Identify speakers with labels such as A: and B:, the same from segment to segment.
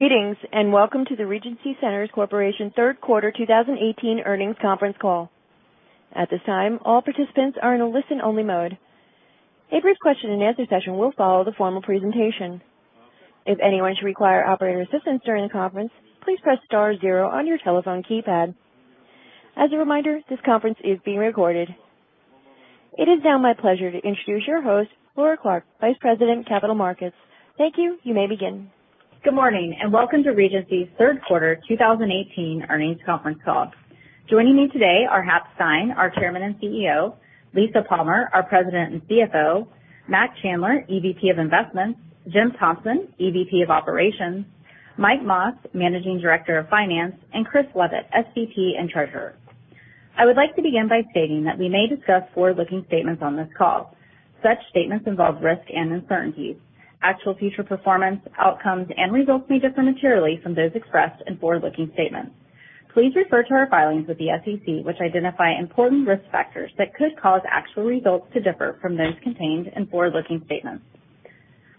A: Greetings, welcome to the Regency Centers Corporation third quarter 2018 earnings conference call. At this time, all participants are in a listen-only mode. A brief question and answer session will follow the formal presentation. If anyone should require operator assistance during the conference, please press star zero on your telephone keypad. As a reminder, this conference is being recorded. It is now my pleasure to introduce your host, Laura Clark, Vice President, Capital Markets. Thank you. You may begin.
B: Good morning, welcome to Regency's third quarter 2018 earnings conference call. Joining me today are Hap Stein, our Chairman and CEO; Lisa Palmer, our President and CFO; Mac Chandler, EVP of Investments; Jim Thompson, EVP of Operations; Michael Mas, Managing Director of Finance; Christopher Lovett, SVP and Treasurer. I would like to begin by stating that we may discuss forward-looking statements on this call. Such statements involve risk and uncertainties. Actual future performance, outcomes, and results may differ materially from those expressed in forward-looking statements. Please refer to our filings with the SEC, which identify important risk factors that could cause actual results to differ from those contained in forward-looking statements.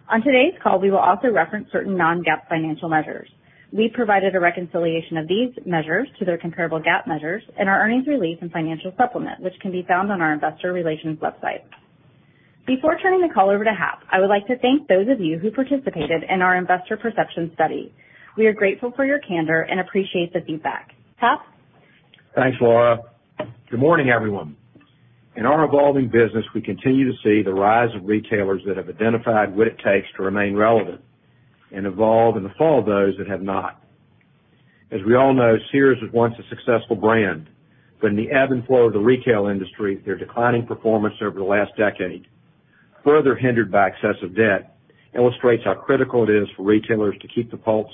B: On today's call, we will also reference certain non-GAAP financial measures. We provided a reconciliation of these measures to their comparable GAAP measures in our earnings release and financial supplement, which can be found on our investor relations website. Before turning the call over to Hap, I would like to thank those of you who participated in our investor perception study. We are grateful for your candor and appreciate the feedback. Hap?
C: Thanks, Laura. Good morning, everyone. In our evolving business, we continue to see the rise of retailers that have identified what it takes to remain relevant and evolve in the fall of those that have not. As we all know, Sears was once a successful brand, in the ebb and flow of the retail industry, their declining performance over the last decade, further hindered by excessive debt, illustrates how critical it is for retailers to keep the pulse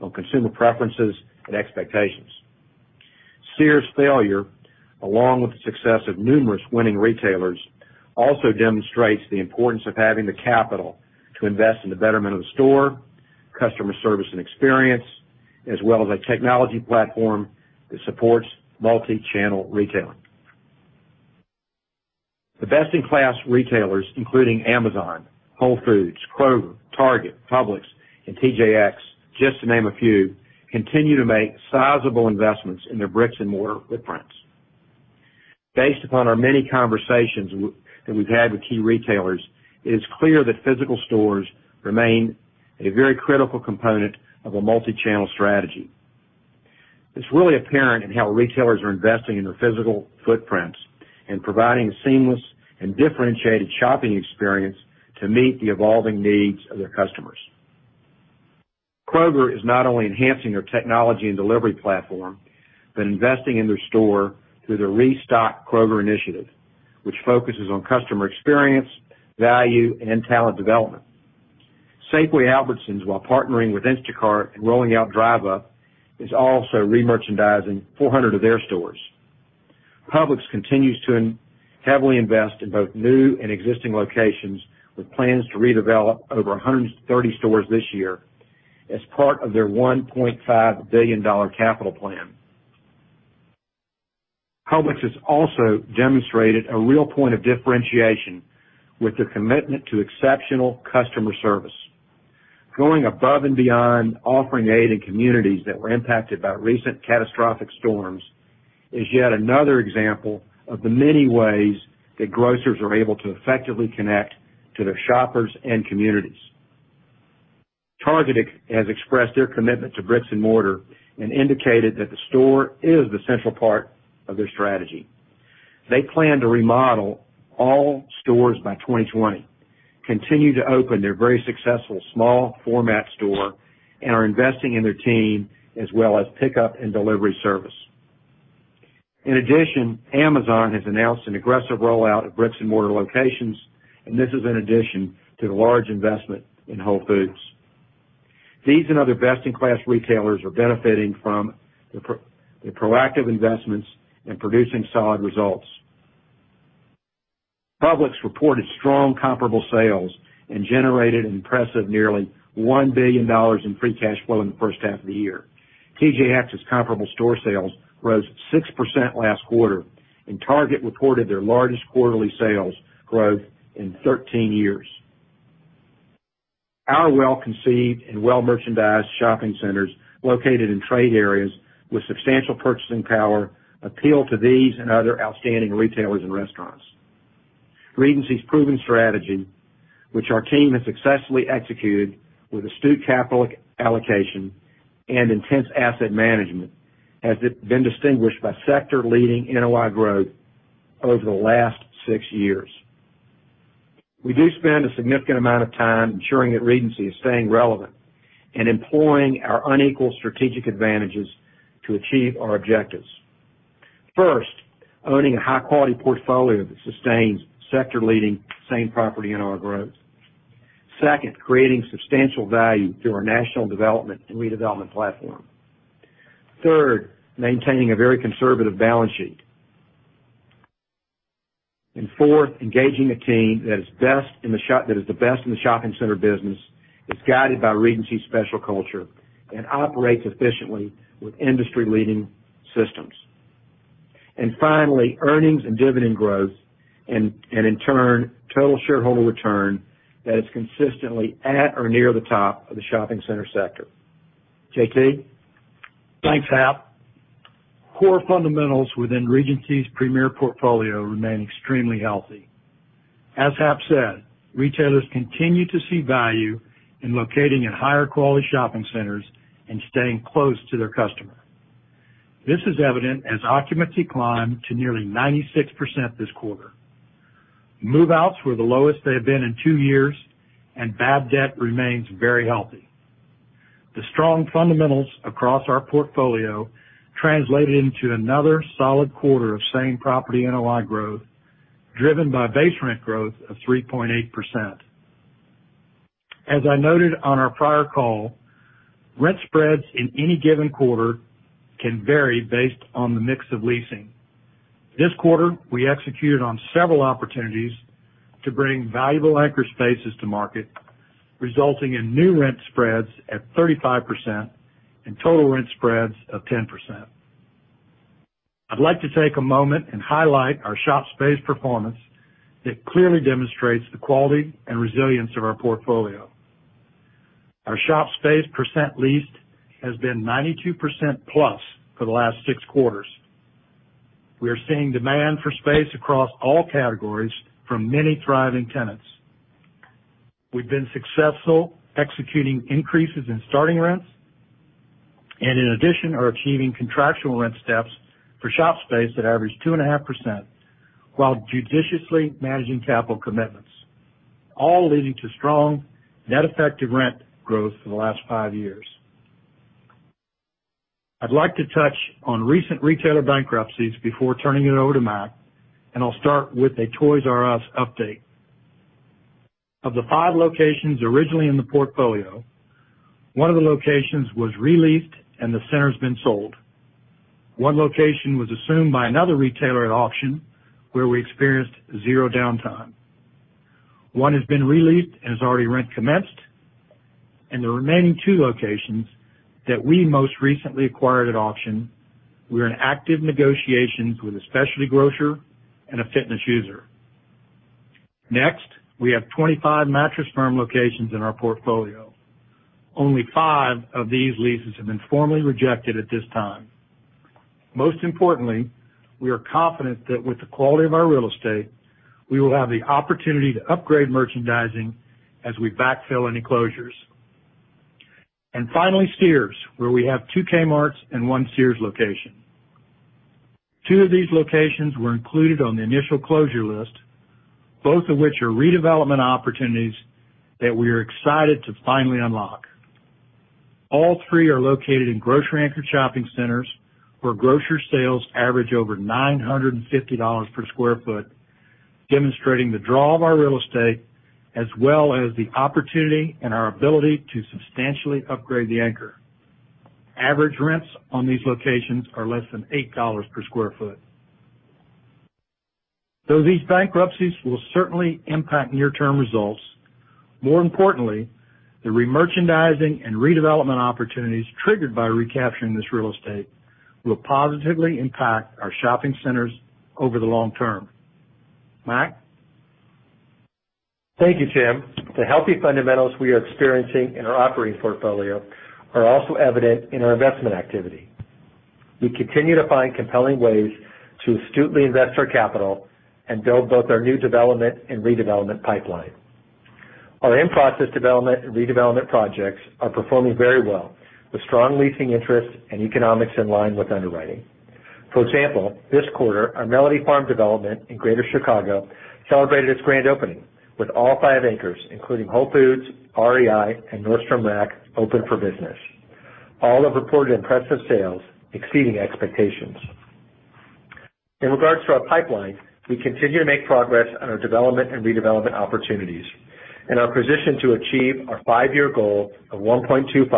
C: on consumer preferences and expectations. Sears' failure, along with the success of numerous winning retailers, also demonstrates the importance of having the capital to invest in the betterment of the store, customer service and experience, as well as a technology platform that supports multi-channel retailing. The best-in-class retailers, including Amazon, Whole Foods, Kroger, Target, Publix, and TJX, just to name a few, continue to make sizable investments in their bricks and mortar footprints. Based upon our many conversations that we've had with key retailers, it is clear that physical stores remain a very critical component of a multi-channel strategy. It's really apparent in how retailers are investing in their physical footprints and providing a seamless and differentiated shopping experience to meet the evolving needs of their customers. Kroger is not only enhancing their technology and delivery platform but investing in their store through the Restock Kroger initiative, which focuses on customer experience, value, and talent development. Safeway Albertsons, while partnering with Instacart and rolling out Drive Up, is also re-merchandising 400 of their stores. Publix continues to heavily invest in both new and existing locations, with plans to redevelop over 130 stores this year as part of their $1.5 billion capital plan. Publix has also demonstrated a real point of differentiation with their commitment to exceptional customer service. Going above and beyond offering aid in communities that were impacted by recent catastrophic storms is yet another example of the many ways that grocers are able to effectively connect to their shoppers and communities. Target has expressed their commitment to bricks and mortar and indicated that the store is the central part of their strategy. They plan to remodel all stores by 2020, continue to open their very successful small format store, and are investing in their team, as well as pickup and delivery service. Amazon has announced an aggressive rollout of bricks and mortar locations, and this is in addition to the large investment in Whole Foods. These and other best-in-class retailers are benefiting from the proactive investments and producing solid results. Publix reported strong comparable sales and generated an impressive nearly $1 billion in free cash flow in the first half of the year. TJX's comparable store sales rose 6% last quarter, and Target reported their largest quarterly sales growth in 13 years. Our well-conceived and well-merchandised shopping centers, located in trade areas with substantial purchasing power, appeal to these and other outstanding retailers and restaurants. Regency's proven strategy, which our team has successfully executed with astute capital allocation and intense asset management, has been distinguished by sector-leading NOI growth over the last six years. We do spend a significant amount of time ensuring that Regency is staying relevant and employing our unequal strategic advantages to achieve our objectives. First, owning a high-quality portfolio that sustains sector-leading same property NOI growth. Second, creating substantial value through our national development and redevelopment platform. Third, maintaining a very conservative balance sheet. Fourth, engaging a team that is the best in the shopping center business, is guided by Regency's special culture, and operates efficiently with industry-leading systems. Finally, earnings and dividend growth, and in turn, total shareholder return that is consistently at or near the top of the shopping center sector. JT?
D: Thanks, Hap. Core fundamentals within Regency's premier portfolio remain extremely healthy. As Hap said, retailers continue to see value in locating in higher quality shopping centers and staying close to their customer. This is evident as occupancy climbed to nearly 96% this quarter. Move-outs were the lowest they have been in two years, and bad debt remains very healthy. The strong fundamentals across our portfolio translated into another solid quarter of same-property NOI growth, driven by base rent growth of 3.8%. As I noted on our prior call, rent spreads in any given quarter can vary based on the mix of leasing. This quarter, we executed on several opportunities to bring valuable anchor spaces to market, resulting in new rent spreads at 35% and total rent spreads of 10%. I'd like to take a moment and highlight our shop space performance that clearly demonstrates the quality and resilience of our portfolio. Our shop space percent leased has been 92% plus for the last six quarters. We are seeing demand for space across all categories from many thriving tenants. We've been successful executing increases in starting rents, in addition, are achieving contractual rent steps for shop space that average 2.5%, while judiciously managing capital commitments, all leading to strong net effective rent growth for the last five years. I'll start with a Toys "R" Us update. Of the five locations originally in the portfolio, one of the locations was re-leased and the center's been sold. One location was assumed by another retailer at auction, where we experienced zero downtime. One has been re-leased and is already rent commenced. The remaining two locations that we most recently acquired at auction, we're in active negotiations with a specialty grocer and a fitness user. Next, we have 25 Mattress Firm locations in our portfolio. Only five of these leases have been formally rejected at this time. Most importantly, we are confident that with the quality of our real estate, we will have the opportunity to upgrade merchandising as we backfill any closures. Finally, Sears, where we have two Kmarts and one Sears location. Two of these locations were included on the initial closure list, both of which are redevelopment opportunities that we are excited to finally unlock. All three are located in grocery anchor shopping centers where grocery sales average over $950 per square foot, demonstrating the draw of our real estate as well as the opportunity and our ability to substantially upgrade the anchor. Average rents on these locations are less than eight per square foot. Though these bankruptcies will certainly impact near-term results, more importantly, the remerchandising and redevelopment opportunities triggered by recapturing this real estate will positively impact our shopping centers over the long term. Mac?
E: Thank you, Jim. The healthy fundamentals we are experiencing in our operating portfolio are also evident in our investment activity. We continue to find compelling ways to astutely invest our capital and build both our new development and redevelopment pipeline. Our in-process development and redevelopment projects are performing very well, with strong leasing interest and economics in line with underwriting. For example, this quarter, our Mellody Farm development in Greater Chicago celebrated its grand opening with all five anchors, including Whole Foods Market, REI, and Nordstrom Rack, open for business. All have reported impressive sales exceeding expectations. In regards to our pipeline, we continue to make progress on our development and redevelopment opportunities and are positioned to achieve our five-year goal of $1.25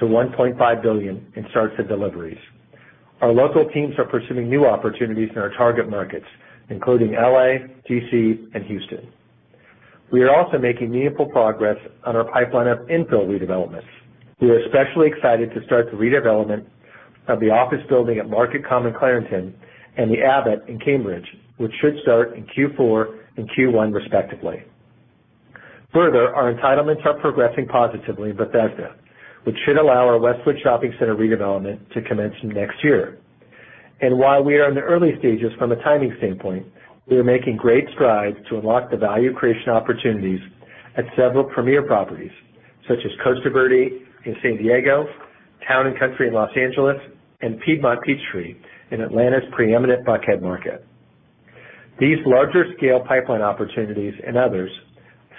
E: billion-$1.5 billion in starts to deliveries. Our local teams are pursuing new opportunities in our target markets, including L.A., D.C., and Houston. We are also making meaningful progress on our pipeline of infill redevelopments. We are especially excited to start the redevelopment of the office building at Market Common Clarendon and The Abbott in Cambridge, which should start in Q4 and Q1, respectively. Our entitlements are progressing positively in Bethesda, which should allow our Westwood Shopping Center redevelopment to commence next year. While we are in the early stages from a timing standpoint, we are making great strides to unlock the value creation opportunities at several premier properties, such as Costa Verde in San Diego, Town and Country in Los Angeles, and Piedmont Peachtree in Atlanta's preeminent Buckhead market. These larger scale pipeline opportunities and others,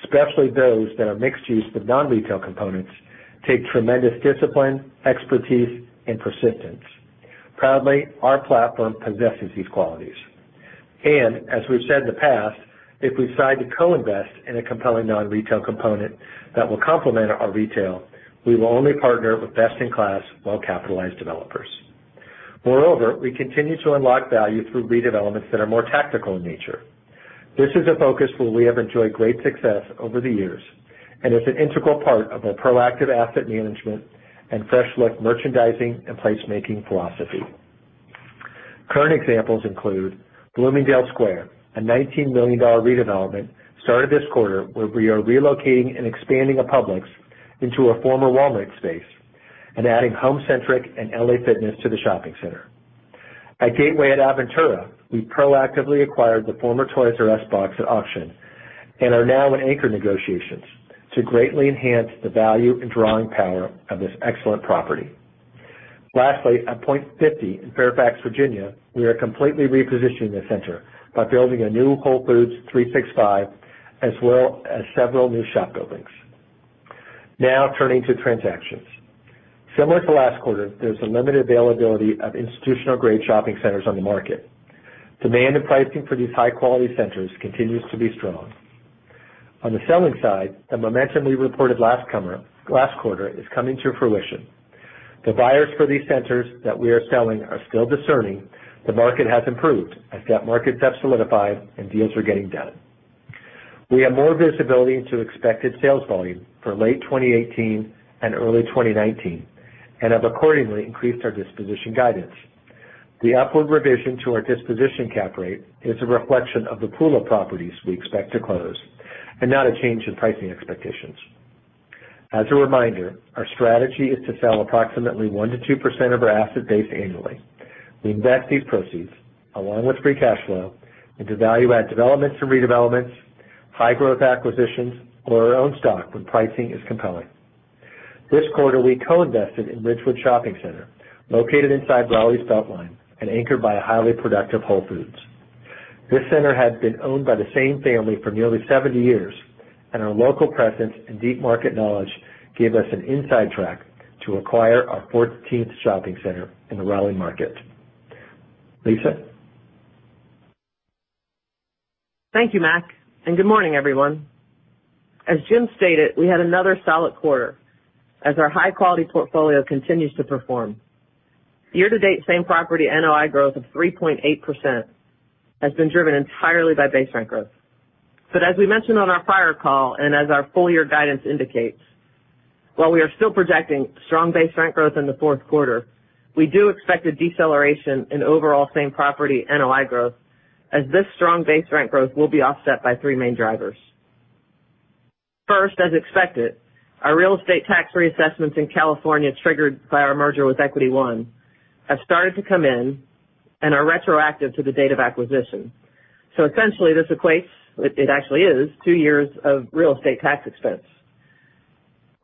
E: especially those that are mixed use with non-retail components, take tremendous discipline, expertise, and persistence. Proudly, our platform possesses these qualities. As we've said in the past, if we decide to co-invest in a compelling non-retail component that will complement our retail, we will only partner with best-in-class, well-capitalized developers. Moreover, we continue to unlock value through redevelopments that are more tactical in nature. This is a focus where we have enjoyed great success over the years and is an integral part of our proactive asset management and fresh-look merchandising and placemaking philosophy. Current examples include Bloomingdale Square, a $19 million redevelopment started this quarter, where we are relocating and expanding a Publix into a former Walmart space and adding Home Centric and LA Fitness to the shopping center. At Gateway at Aventura, we proactively acquired the former Toys Us box at auction and are now in anchor negotiations to greatly enhance the value and drawing power of this excellent property. Lastly, at Pointe 50 in Fairfax, Virginia, we are completely repositioning the center by building a new Whole Foods 365, as well as several new shop buildings. Now turning to transactions. Similar to last quarter, there's a limited availability of institutional-grade shopping centers on the market. Demand and pricing for these high-quality centers continues to be strong. On the selling side, the momentum we reported last quarter is coming to fruition. The buyers for these centers that we are selling are still discerning. The market has improved as cap markets have solidified and deals are getting done. We have more visibility into expected sales volume for late 2018 and early 2019 and have accordingly increased our disposition guidance. The upward revision to our disposition cap rate is a reflection of the pool of properties we expect to close and not a change in pricing expectations. As a reminder, our strategy is to sell approximately 1%-2% of our asset base annually. We invest these proceeds, along with free cash flow, into value-add developments and redevelopments, high-growth acquisitions, or our own stock when pricing is compelling. This quarter, we co-invested in Ridgewood Shopping Center, located inside Raleigh's Beltline and anchored by a highly productive Whole Foods. This center had been owned by the same family for nearly 70 years, and our local presence and deep market knowledge gave us an inside track to acquire our 14th shopping center in the Raleigh market. Lisa?
F: Thank you, Mac, and good morning, everyone. As Jim stated, we had another solid quarter as our high-quality portfolio continues to perform. Year-to-date same-property NOI growth of 3.8% has been driven entirely by base rent growth. As we mentioned on our prior call and as our full-year guidance indicates, while we are still projecting strong base rent growth in the fourth quarter, we do expect a deceleration in overall same-property NOI growth as this strong base rent growth will be offset by three main drivers. First, as expected, our real estate tax reassessments in California, triggered by our merger with Equity One, have started to come in and are retroactive to the date of acquisition. Essentially, this equates, it actually is, two years of real estate tax expense.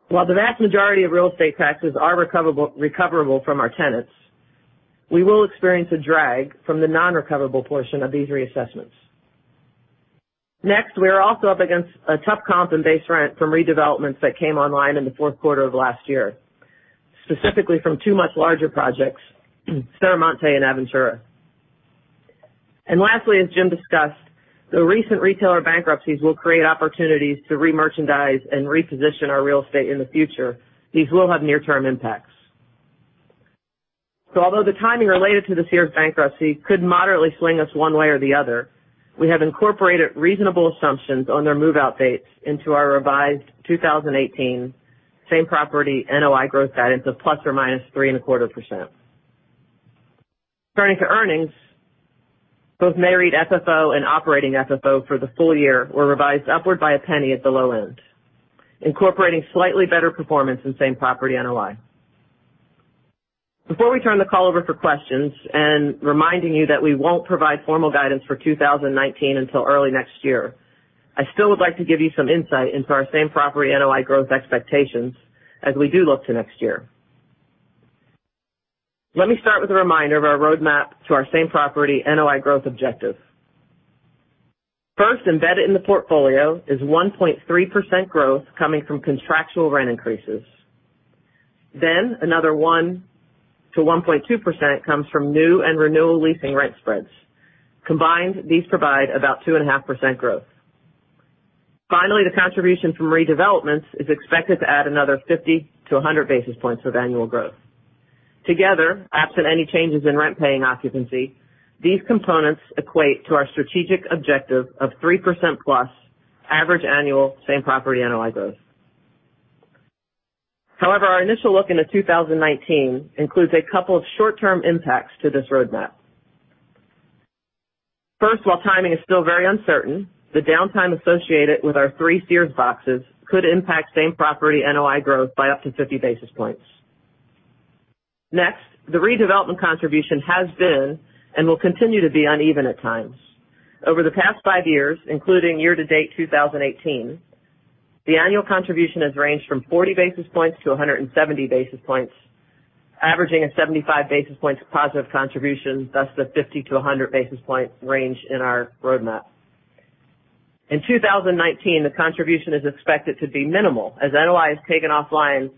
F: While the vast majority of real estate taxes are recoverable from our tenants, we will experience a drag from the non-recoverable portion of these reassessments. Next, we are also up against a tough comp in base rent from redevelopments that came online in the fourth quarter of last year, specifically from two much larger projects, San Ramon and Aventura. Lastly, as Jim discussed, the recent retailer bankruptcies will create opportunities to remerchandise and reposition our real estate in the future. These will have near-term impacts. Although the timing related to the Sears bankruptcy could moderately swing us one way or the other, we have incorporated reasonable assumptions on their move-out dates into our revised 2018 same-property NOI growth guidance of ±3.25%. Turning to earnings, both Nareit FFO and operating FFO for the full year were revised upward by $0.01 at the low end, incorporating slightly better performance in same-property NOI. Before we turn the call over for questions and reminding you that we won't provide formal guidance for 2019 until early next year, I still would like to give you some insight into our same-property NOI growth expectations as we do look to next year. Let me start with a reminder of our roadmap to our same-property NOI growth objective. First, embedded in the portfolio is 1.3% growth coming from contractual rent increases. Another 1%-1.2% comes from new and renewal leasing rent spreads. Combined, these provide about 2.5% growth. Finally, the contribution from redevelopments is expected to add another 50-100 basis points of annual growth. Together, absent any changes in rent-paying occupancy, these components equate to our strategic objective of 3% plus average annual same-property NOI growth. However, our initial look into 2019 includes a couple of short-term impacts to this roadmap. First, while timing is still very uncertain, the downtime associated with our three Sears boxes could impact same-property NOI growth by up to 50 basis points. Next, the redevelopment contribution has been and will continue to be uneven at times. Over the past five years, including year-to-date 2018, the annual contribution has ranged from 40 basis points to 170 basis points, averaging at 75 basis points positive contribution. Thus, the 50 to 100 basis point range in our roadmap. In 2019, the contribution is expected to be minimal as NOI is taken offline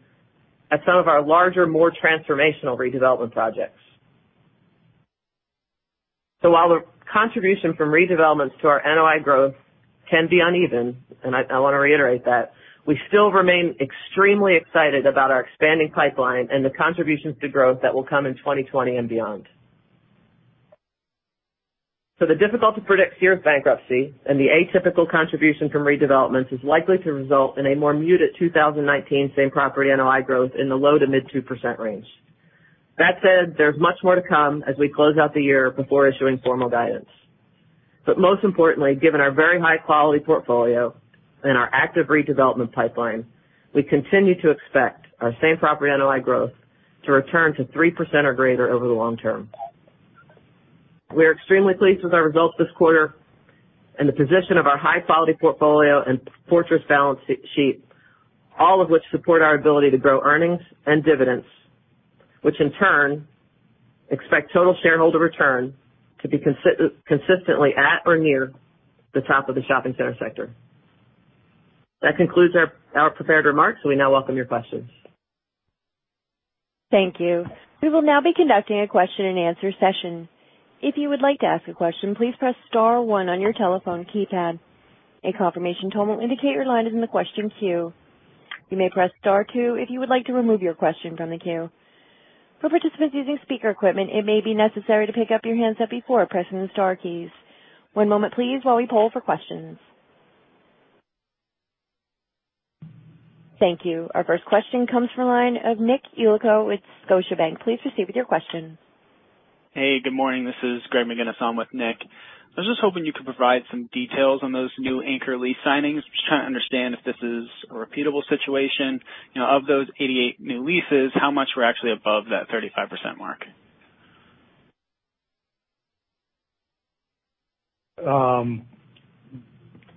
F: at some of our larger, more transformational redevelopment projects. While the contribution from redevelopments to our NOI growth can be uneven, and I want to reiterate that. We still remain extremely excited about our expanding pipeline and the contributions to growth that will come in 2020 and beyond. The difficult-to-predict Sears bankruptcy and the atypical contribution from redevelopments is likely to result in a more muted 2019 same property NOI growth in the low to mid 2% range. That said, there is much more to come as we close out the year before issuing formal guidance. But most importantly, given our very high-quality portfolio and our active redevelopment pipeline, we continue to expect our same property NOI growth to return to 3% or greater over the long term. We are extremely pleased with our results this quarter and the position of our high-quality portfolio and fortress balance sheet, all of which support our ability to grow earnings and dividends, which in turn expect total shareholder return to be consistently at or near the top of the shopping center sector. That concludes our prepared remarks. We now welcome your questions.
A: Thank you. We will now be conducting a question and answer session. If you would like to ask a question, please press star one on your telephone keypad. A confirmation tone will indicate your line is in the question queue. You may press star two if you would like to remove your question from the queue. For participants using speaker equipment, it may be necessary to pick up your handset before pressing the star keys. One moment please, while we poll for questions. Thank you. Our first question comes from the line of Nicholas Yulico with Scotiabank. Please proceed with your question.
G: Hey, good morning. This is Greg McGinnis. I'm with Nick. I was just hoping you could provide some details on those new anchor lease signings. I'm just trying to understand if this is a repeatable situation. Of those 88 new leases, how much were actually above that 35% mark?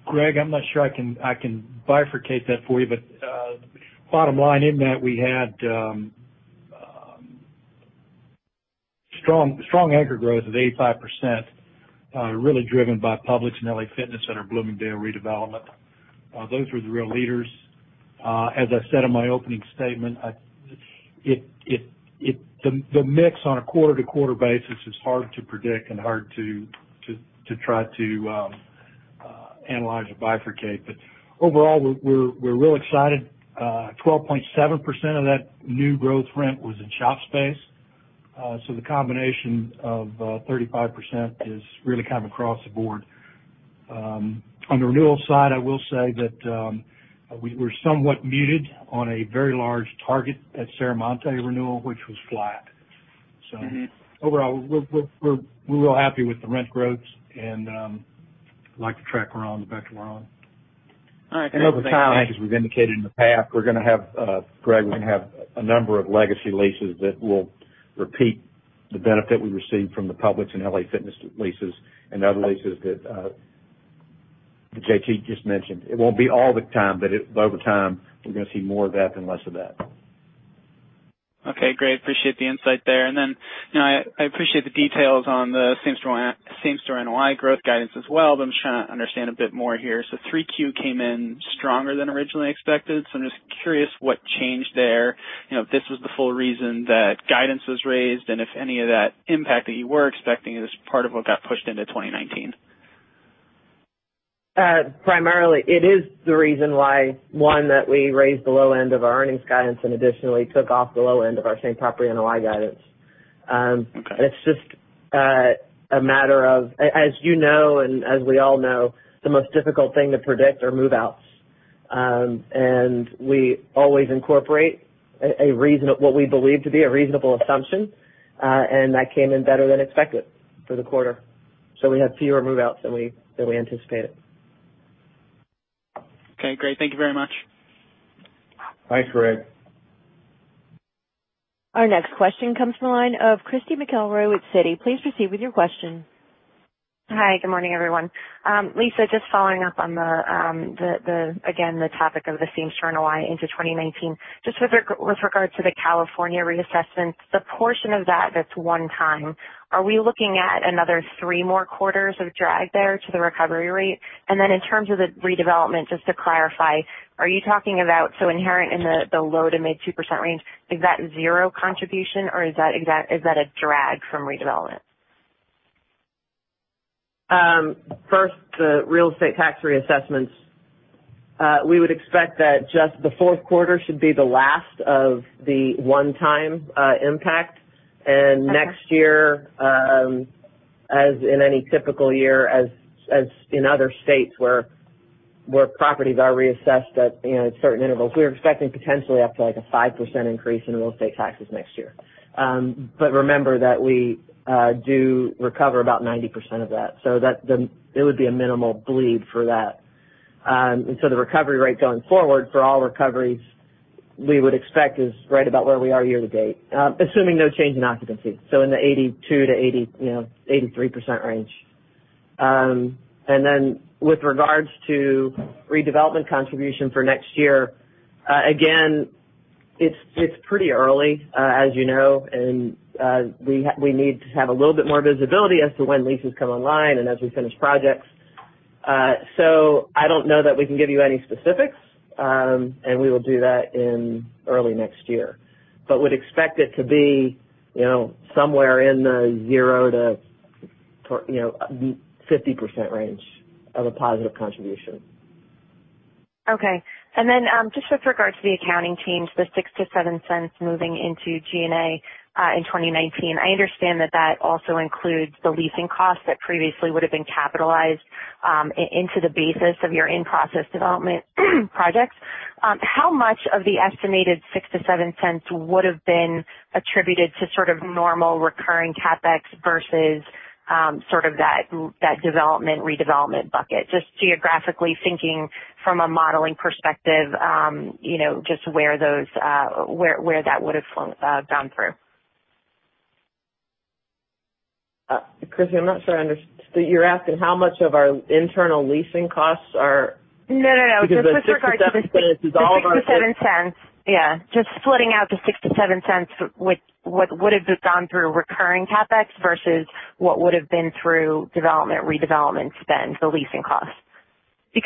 D: Greg, I'm not sure I can bifurcate that for you. Bottom line in that, we had strong anchor growth of 85%, really driven by Publix and LA Fitness at our Bloomingdale redevelopment. Those were the real leaders. As I said in my opening statement, the mix on a quarter-to-quarter basis is hard to predict and hard to try to analyze or bifurcate. Overall, we're real excited. 12.7% of that new growth rent was in shop space. The combination of 35% is really kind of across the board. On the renewal side, I will say that we're somewhat muted on a very large Target at Serramonte renewal, which was flat. Overall, we're real happy with the rent growths, and like the track we're on, the vector we're on.
G: All right. Thanks.
F: As we've indicated in the past, Greg, we're going to have a number of legacy leases that will repeat the benefit we received from the Publix and LA Fitness leases and other leases that JT just mentioned. It won't be all the time, but over time, we're going to see more of that than less of that.
G: Okay, great. Appreciate the insight there. I appreciate the details on the same store NOI growth guidance as well. I'm just trying to understand a bit more here. 3Q came in stronger than originally expected. I'm just curious what changed there, if this was the full reason that guidance was raised, and if any of that impact that you were expecting is part of what got pushed into 2019.
F: Primarily, it is the reason why, one, that we raised the low end of our earnings guidance and additionally took off the low end of our same property NOI guidance.
G: Okay.
F: It's just a matter of, as you know and as we all know, the most difficult thing to predict are move-outs. We always incorporate what we believe to be a reasonable assumption, and that came in better than expected for the quarter. We had fewer move-outs than we anticipated.
G: Okay, great. Thank you very much.
D: Thanks, Greg.
A: Our next question comes from the line of Christy McElroy with Citi. Please proceed with your question.
H: Hi. Good morning, everyone. Lisa, just following up on the, again, the topic of the same store NOI into 2019, just with regard to the California reassessments, the portion of that that's one time, are we looking at another three more quarters of drag there to the recovery rate? Then in terms of the redevelopment, just to clarify, are you talking about so inherent in the low to mid 2% range, is that zero contribution, or is that a drag from redevelopment?
F: First, the real estate tax reassessments. We would expect that just the fourth quarter should be the last of the one-time impact.
H: Okay.
F: Next year, as in any typical year, as in other states where properties are reassessed at certain intervals, we're expecting potentially up to like a 5% increase in real estate taxes next year. Remember that we do recover about 90% of that, so it would be a minimal bleed for that. The recovery rate going forward for all recoveries we would expect is right about where we are year to date, assuming no change in occupancy. In the 82%-83% range. With regards to redevelopment contribution for next year, again, it's pretty early as you know, and we need to have a little bit more visibility as to when leases come online and as we finish projects. I don't know that we can give you any specifics, and we will do that in early next year. Would expect it to be somewhere in the 0%-50% range of a positive contribution.
H: Okay. Just with regards to the accounting change, the $0.06-$0.07 moving into G&A, in 2019. I understand that that also includes the leasing costs that previously would've been capitalized into the basis of your in-process development projects. How much of the estimated $0.06-$0.07 would've been attributed to sort of normal recurring CapEx versus sort of that development, redevelopment bucket, just geographically thinking from a modeling perspective, just where that would've gone through.
F: Christy, I'm not sure I understand. You're asking how much of our internal leasing costs are
H: No.
F: The $0.06-$0.07 is all of our
H: The $0.06-$0.07, yeah. Just splitting out the $0.06-$0.07, what would've gone through recurring CapEx versus what would've been through development, redevelopment spend, the leasing costs. It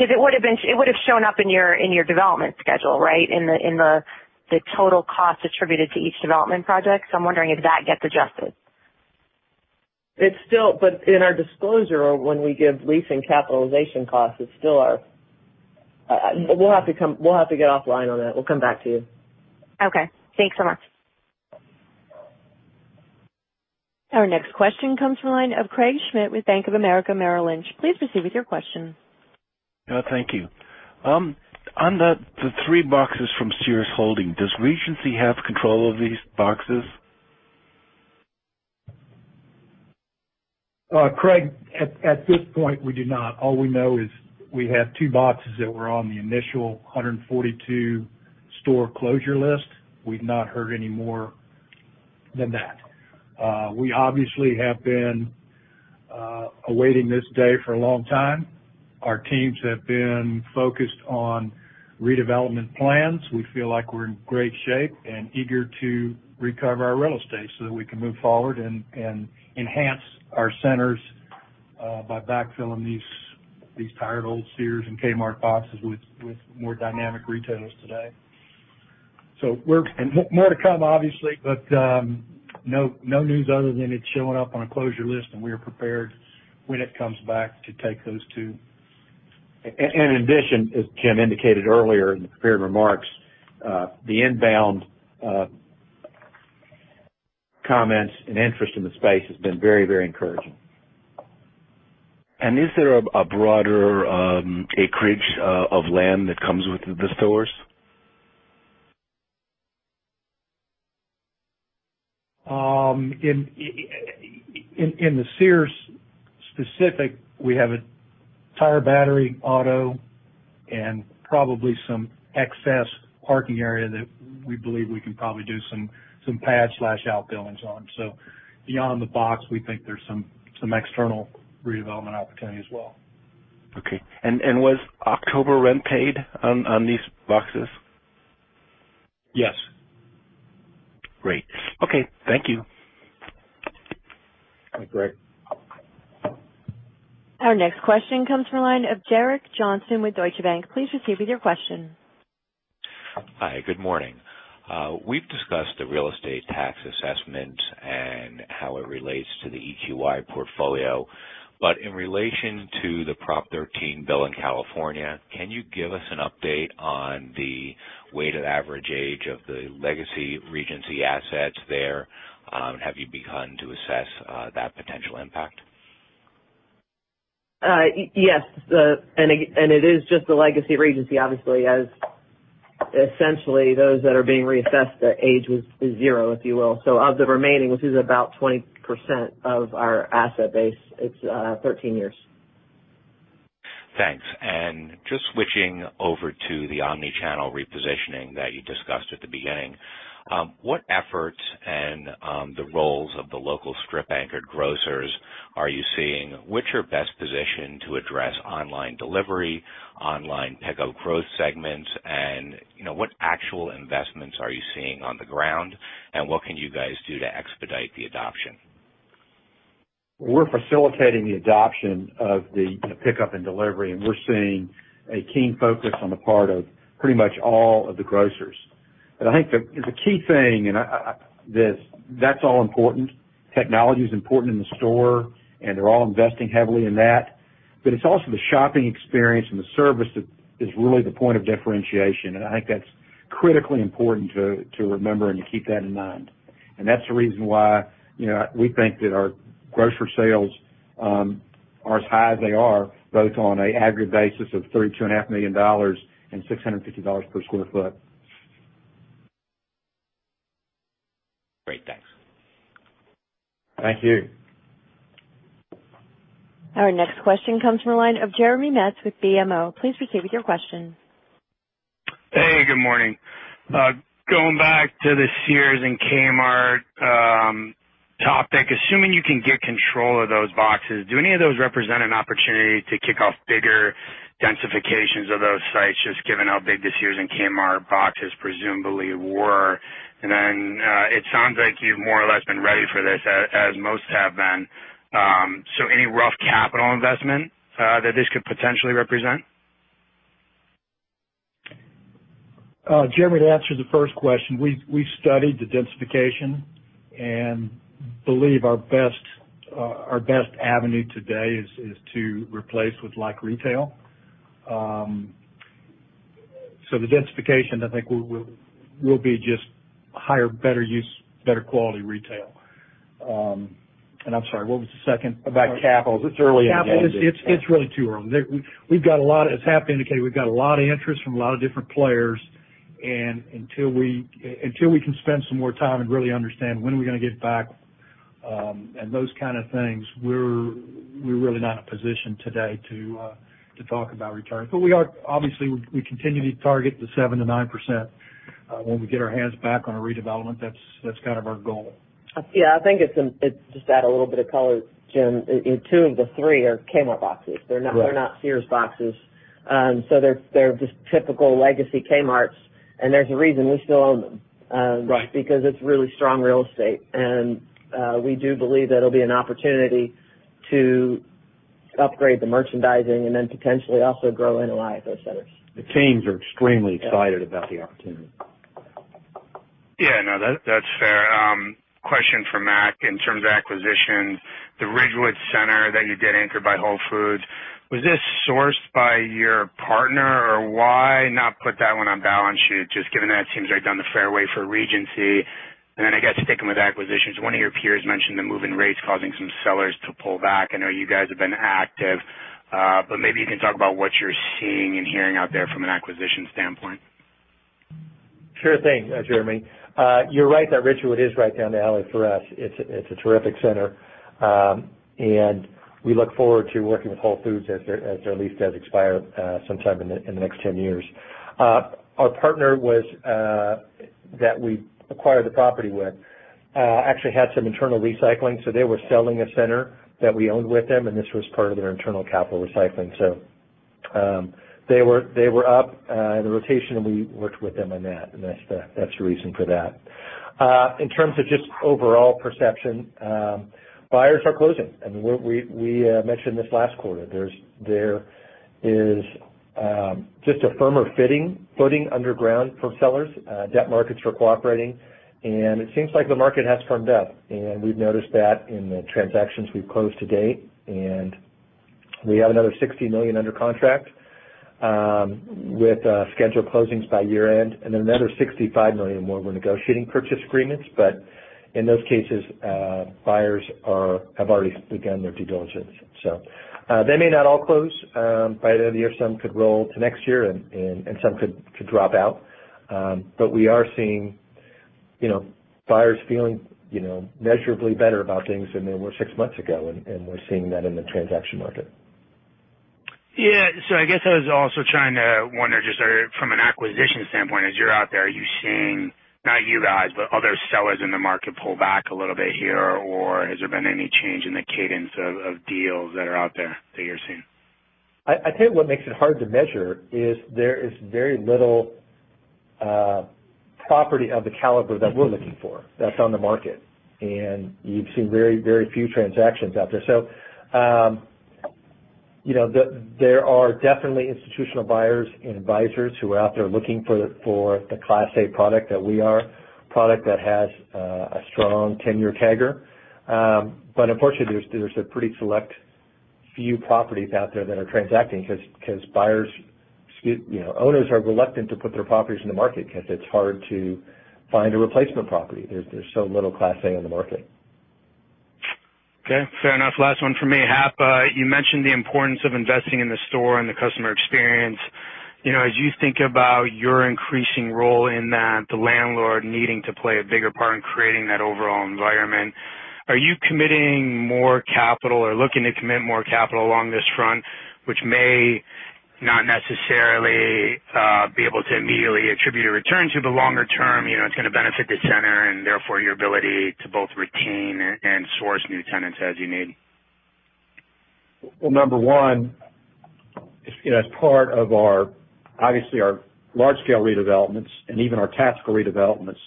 H: would've shown up in your development schedule, right? In the total cost attributed to each development project. I'm wondering if that gets adjusted.
F: In our disclosure, when we give leasing capitalization costs, it's still our. We'll have to get offline on that. We'll come back to you.
H: Okay. Thanks so much.
A: Our next question comes from the line of Craig Schmidt with Bank of America Merrill Lynch. Please proceed with your question.
I: Thank you. On the three boxes from Sears Holdings, does Regency have control of these boxes?
C: Craig, at this point, we do not. All we know is we have two boxes that were on the initial 142-store closure list. We've not heard any more than that. We obviously have been awaiting this day for a long time. Our teams have been focused on redevelopment plans. We feel like we're in great shape and eager to recover our real estate so that we can move forward and enhance our centers, by backfilling these tired old Sears and Kmart boxes with more dynamic retailers today. More to come obviously, but, no news other than it's showing up on a closure list, and we are prepared when it comes back to take those two.
F: In addition, as Jim indicated earlier in the prepared remarks, the inbound comments and interest in the space has been very encouraging.
I: Is there a broader acreage of land that comes with the stores?
C: In the Sears specific, we have a tire, battery, auto, and probably some excess parking area that we believe we can probably do some pad/outbuildings on. Beyond the box, we think there's some external redevelopment opportunity as well.
I: Was October rent paid on these boxes?
C: Yes.
I: Great. Okay. Thank you.
C: All right, great.
A: Our next question comes from the line of Derek Johnston with Deutsche Bank. Please proceed with your question.
J: Hi, good morning. We've discussed the real estate tax assessment and how it relates to the EQY portfolio, in relation to the Prop 13 bill in California, can you give us an update on the weighted average age of the legacy Regency assets there? Have you begun to assess that potential impact?
F: It is just the legacy Regency, obviously, as essentially those that are being reassessed, their age is zero, if you will. Of the remaining, which is about 20% of our asset base, it's 13 years.
J: Thanks. Just switching over to the omni-channel repositioning that you discussed at the beginning. What efforts and the roles of the local strip-anchored grocers are you seeing? Which are best positioned to address online delivery, online pickup growth segments, and what actual investments are you seeing on the ground, and what can you guys do to expedite the adoption?
C: We're facilitating the adoption of the pickup and delivery, we're seeing a keen focus on the part of pretty much all of the grocers. I think the key thing, that's all important. Technology's important in the store, they're all investing heavily in that. It's also the shopping experience and the service that is really the point of differentiation, I think that's critically important to remember and to keep that in mind. That's the reason why we think that our grocer sales are as high as they are, both on an AGRI basis of $32.5 million and $650 per sq ft.
J: Great. Thanks.
F: Thank you.
A: Our next question comes from the line of Jeremy Metz with BMO. Please proceed with your question.
K: Hey, good morning. Going back to the Sears and Kmart topic, assuming you can get control of those boxes, do any of those represent an opportunity to kick off bigger densifications of those sites, just given how big the Sears and Kmart boxes presumably were? It sounds like you've more or less been ready for this, as most have been. Any rough capital investment that this could potentially represent?
C: Jeremy, to answer the first question, we studied the densification and believe our best avenue today is to replace with like retail. The densification, I think, will be just higher, better use, better quality retail. I'm sorry, what was the second part?
D: About capital. It's early in the game.
C: Capital, it's really too early. As Hap indicated, we've got a lot of interest from a lot of different players, and until we can spend some more time and really understand when are we going to get back, and those kind of things, we're really not in a position today to talk about returns. Obviously, we continue to target the 7%-9%. When we get our hands back on a redevelopment, that's kind of our goal.
F: Yeah, I think, just to add a little bit of color, Jim, two of the three are Kmart boxes.
C: Right.
F: They're not Sears boxes. They're just typical legacy Kmarts, and there's a reason we still own them.
C: Right.
F: It's really strong real estate. We do believe that it'll be an opportunity to upgrade the merchandising, potentially also grow NOI at those centers.
C: The teams are extremely excited about the opportunity.
K: That's fair. Question for Mac in terms of acquisition. The Ridgewood center that you did anchored by Whole Foods, was this sourced by your partner, or why not put that one on balance sheet, just given that it seems right down the fairway for Regency? I guess sticking with acquisitions, one of your peers mentioned the move in rates causing some sellers to pull back. I know you guys have been active. Maybe you can talk about what you're seeing and hearing out there from an acquisition standpoint.
E: Sure thing, Jeremy. You're right that Ridgewood is right down the alley for us. It's a terrific center. We look forward to working with Whole Foods as their lease does expire sometime in the next 10 years. Our partner that we acquired the property with actually had some internal recycling. They were selling a center that we owned with them, this was part of their internal capital recycling. They were up in the rotation, we worked with them on that's the reason for that. In terms of just overall perception, buyers are closing. We mentioned this last quarter. There is just a firmer footing underground for sellers. Debt markets are cooperating, it seems like the market has firmed up, we've noticed that in the transactions we've closed to date. We have another $60 million under contract with scheduled closings by year-end, another $65 million more we're negotiating purchase agreements. In those cases, buyers have already begun their due diligence. They may not all close by the end of the year. Some could roll to next year and some could drop out. We are seeing buyers feeling measurably better about things than they were six months ago, and we're seeing that in the transaction market.
K: Yeah. I guess I was also trying to wonder just from an acquisition standpoint, as you're out there, are you seeing, not you guys, but other sellers in the market pull back a little bit here, or has there been any change in the cadence of deals that are out there that you're seeing?
E: I tell you what makes it hard to measure is there is very little property of the caliber that we're looking for that's on the market, and you've seen very few transactions out there. There are definitely institutional buyers and advisors who are out there looking for the class A product that we are, product that has a strong 10-year CAGR. Unfortunately, there's a pretty select few properties out there that are transacting because owners are reluctant to put their properties in the market because it's hard to find a replacement property. There's so little class A on the market.
K: Okay, fair enough. Last one from me. Hap, you mentioned the importance of investing in the store and the customer experience. As you think about your increasing role in that, the landlord needing to play a bigger part in creating that overall environment, are you committing more capital or looking to commit more capital along this front, which may not necessarily be able to immediately attribute a return to the longer term, it's going to benefit the center and therefore your ability to both retain and source new tenants as you need?
C: Number one, as part of, obviously, our large-scale redevelopments and even our tactical redevelopments,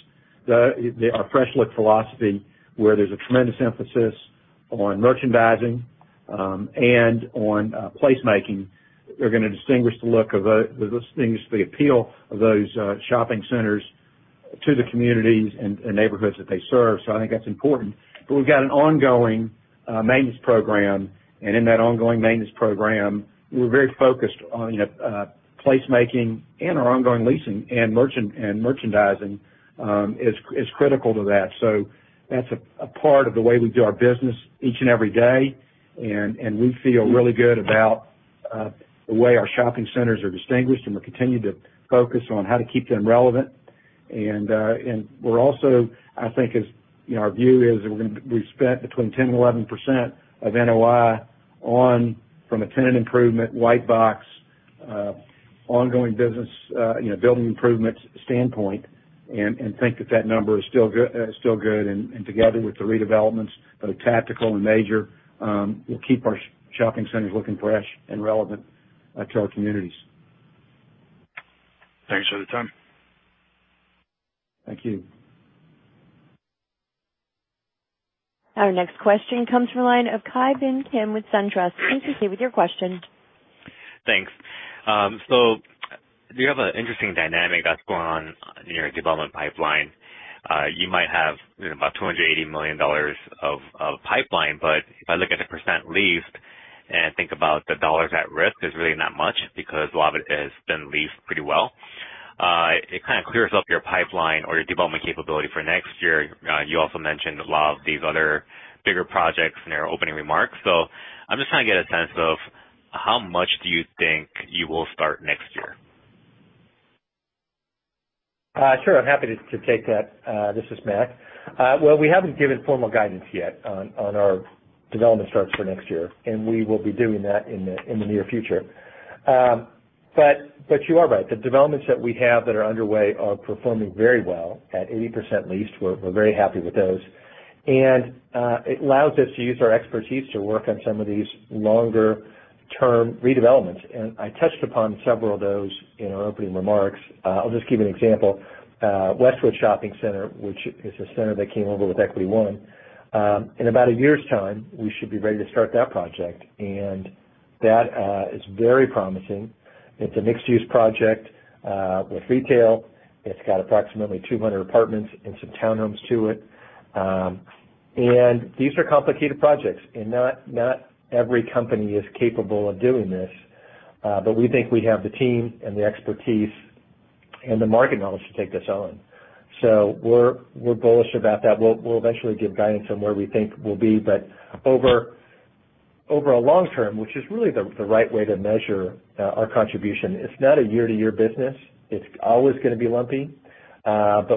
C: our fresh look philosophy, where there's a tremendous emphasis on merchandising and on placemaking, are going to distinguish the appeal of those shopping centers to the communities and neighborhoods that they serve. I think that's important. We've got an ongoing maintenance program, and in that ongoing maintenance program, we're very focused on placemaking, and our ongoing leasing and merchandising is critical to that. That's a part of the way we do our business each and every day, and we feel really good about the way our shopping centers are distinguished, and we continue to focus on how to keep them relevant. Our view is we've spent between 10% and 11% of NOI from a tenant improvement, white box, ongoing business, building improvements standpoint, and think that number is still good. Together with the redevelopments, both tactical and major, we'll keep our shopping centers looking fresh and relevant to our communities.
K: Thanks for the time.
C: Thank you.
A: Our next question comes from the line of Ki Bin Kim with SunTrust. Please proceed with your question.
L: Thanks. You have an interesting dynamic that's going on in your development pipeline. You might have about $280 million of pipeline, if I look at the percent leased and think about the dollars at risk, there's really not much, because a lot of it has been leased pretty well. It kind of clears up your pipeline or your development capability for next year. You also mentioned a lot of these other bigger projects in your opening remarks. I'm just trying to get a sense of how much do you think you will start next year?
E: Sure. I'm happy to take that. This is Mac. We haven't given formal guidance yet on our development starts for next year, we will be doing that in the near future. You are right. The developments that we have that are underway are performing very well at 80% leased. We're very happy with those. It allows us to use our expertise to work on some of these longer-term redevelopments, I touched upon several of those in our opening remarks. I'll just give you an example. Westwood Shopping Center, which is a center that came over with Equity One. In about a year's time, we should be ready to start that project, that is very promising. It's a mixed-use project, with retail. It's got approximately 200 apartments and some townhomes to it. These are complicated projects, not every company is capable of doing this. We think we have the team and the expertise and the market knowledge to take this on. We're bullish about that. We'll eventually give guidance on where we think we'll be, over a long term, which is really the right way to measure our contribution, it's not a year-to-year business. It's always going to be lumpy.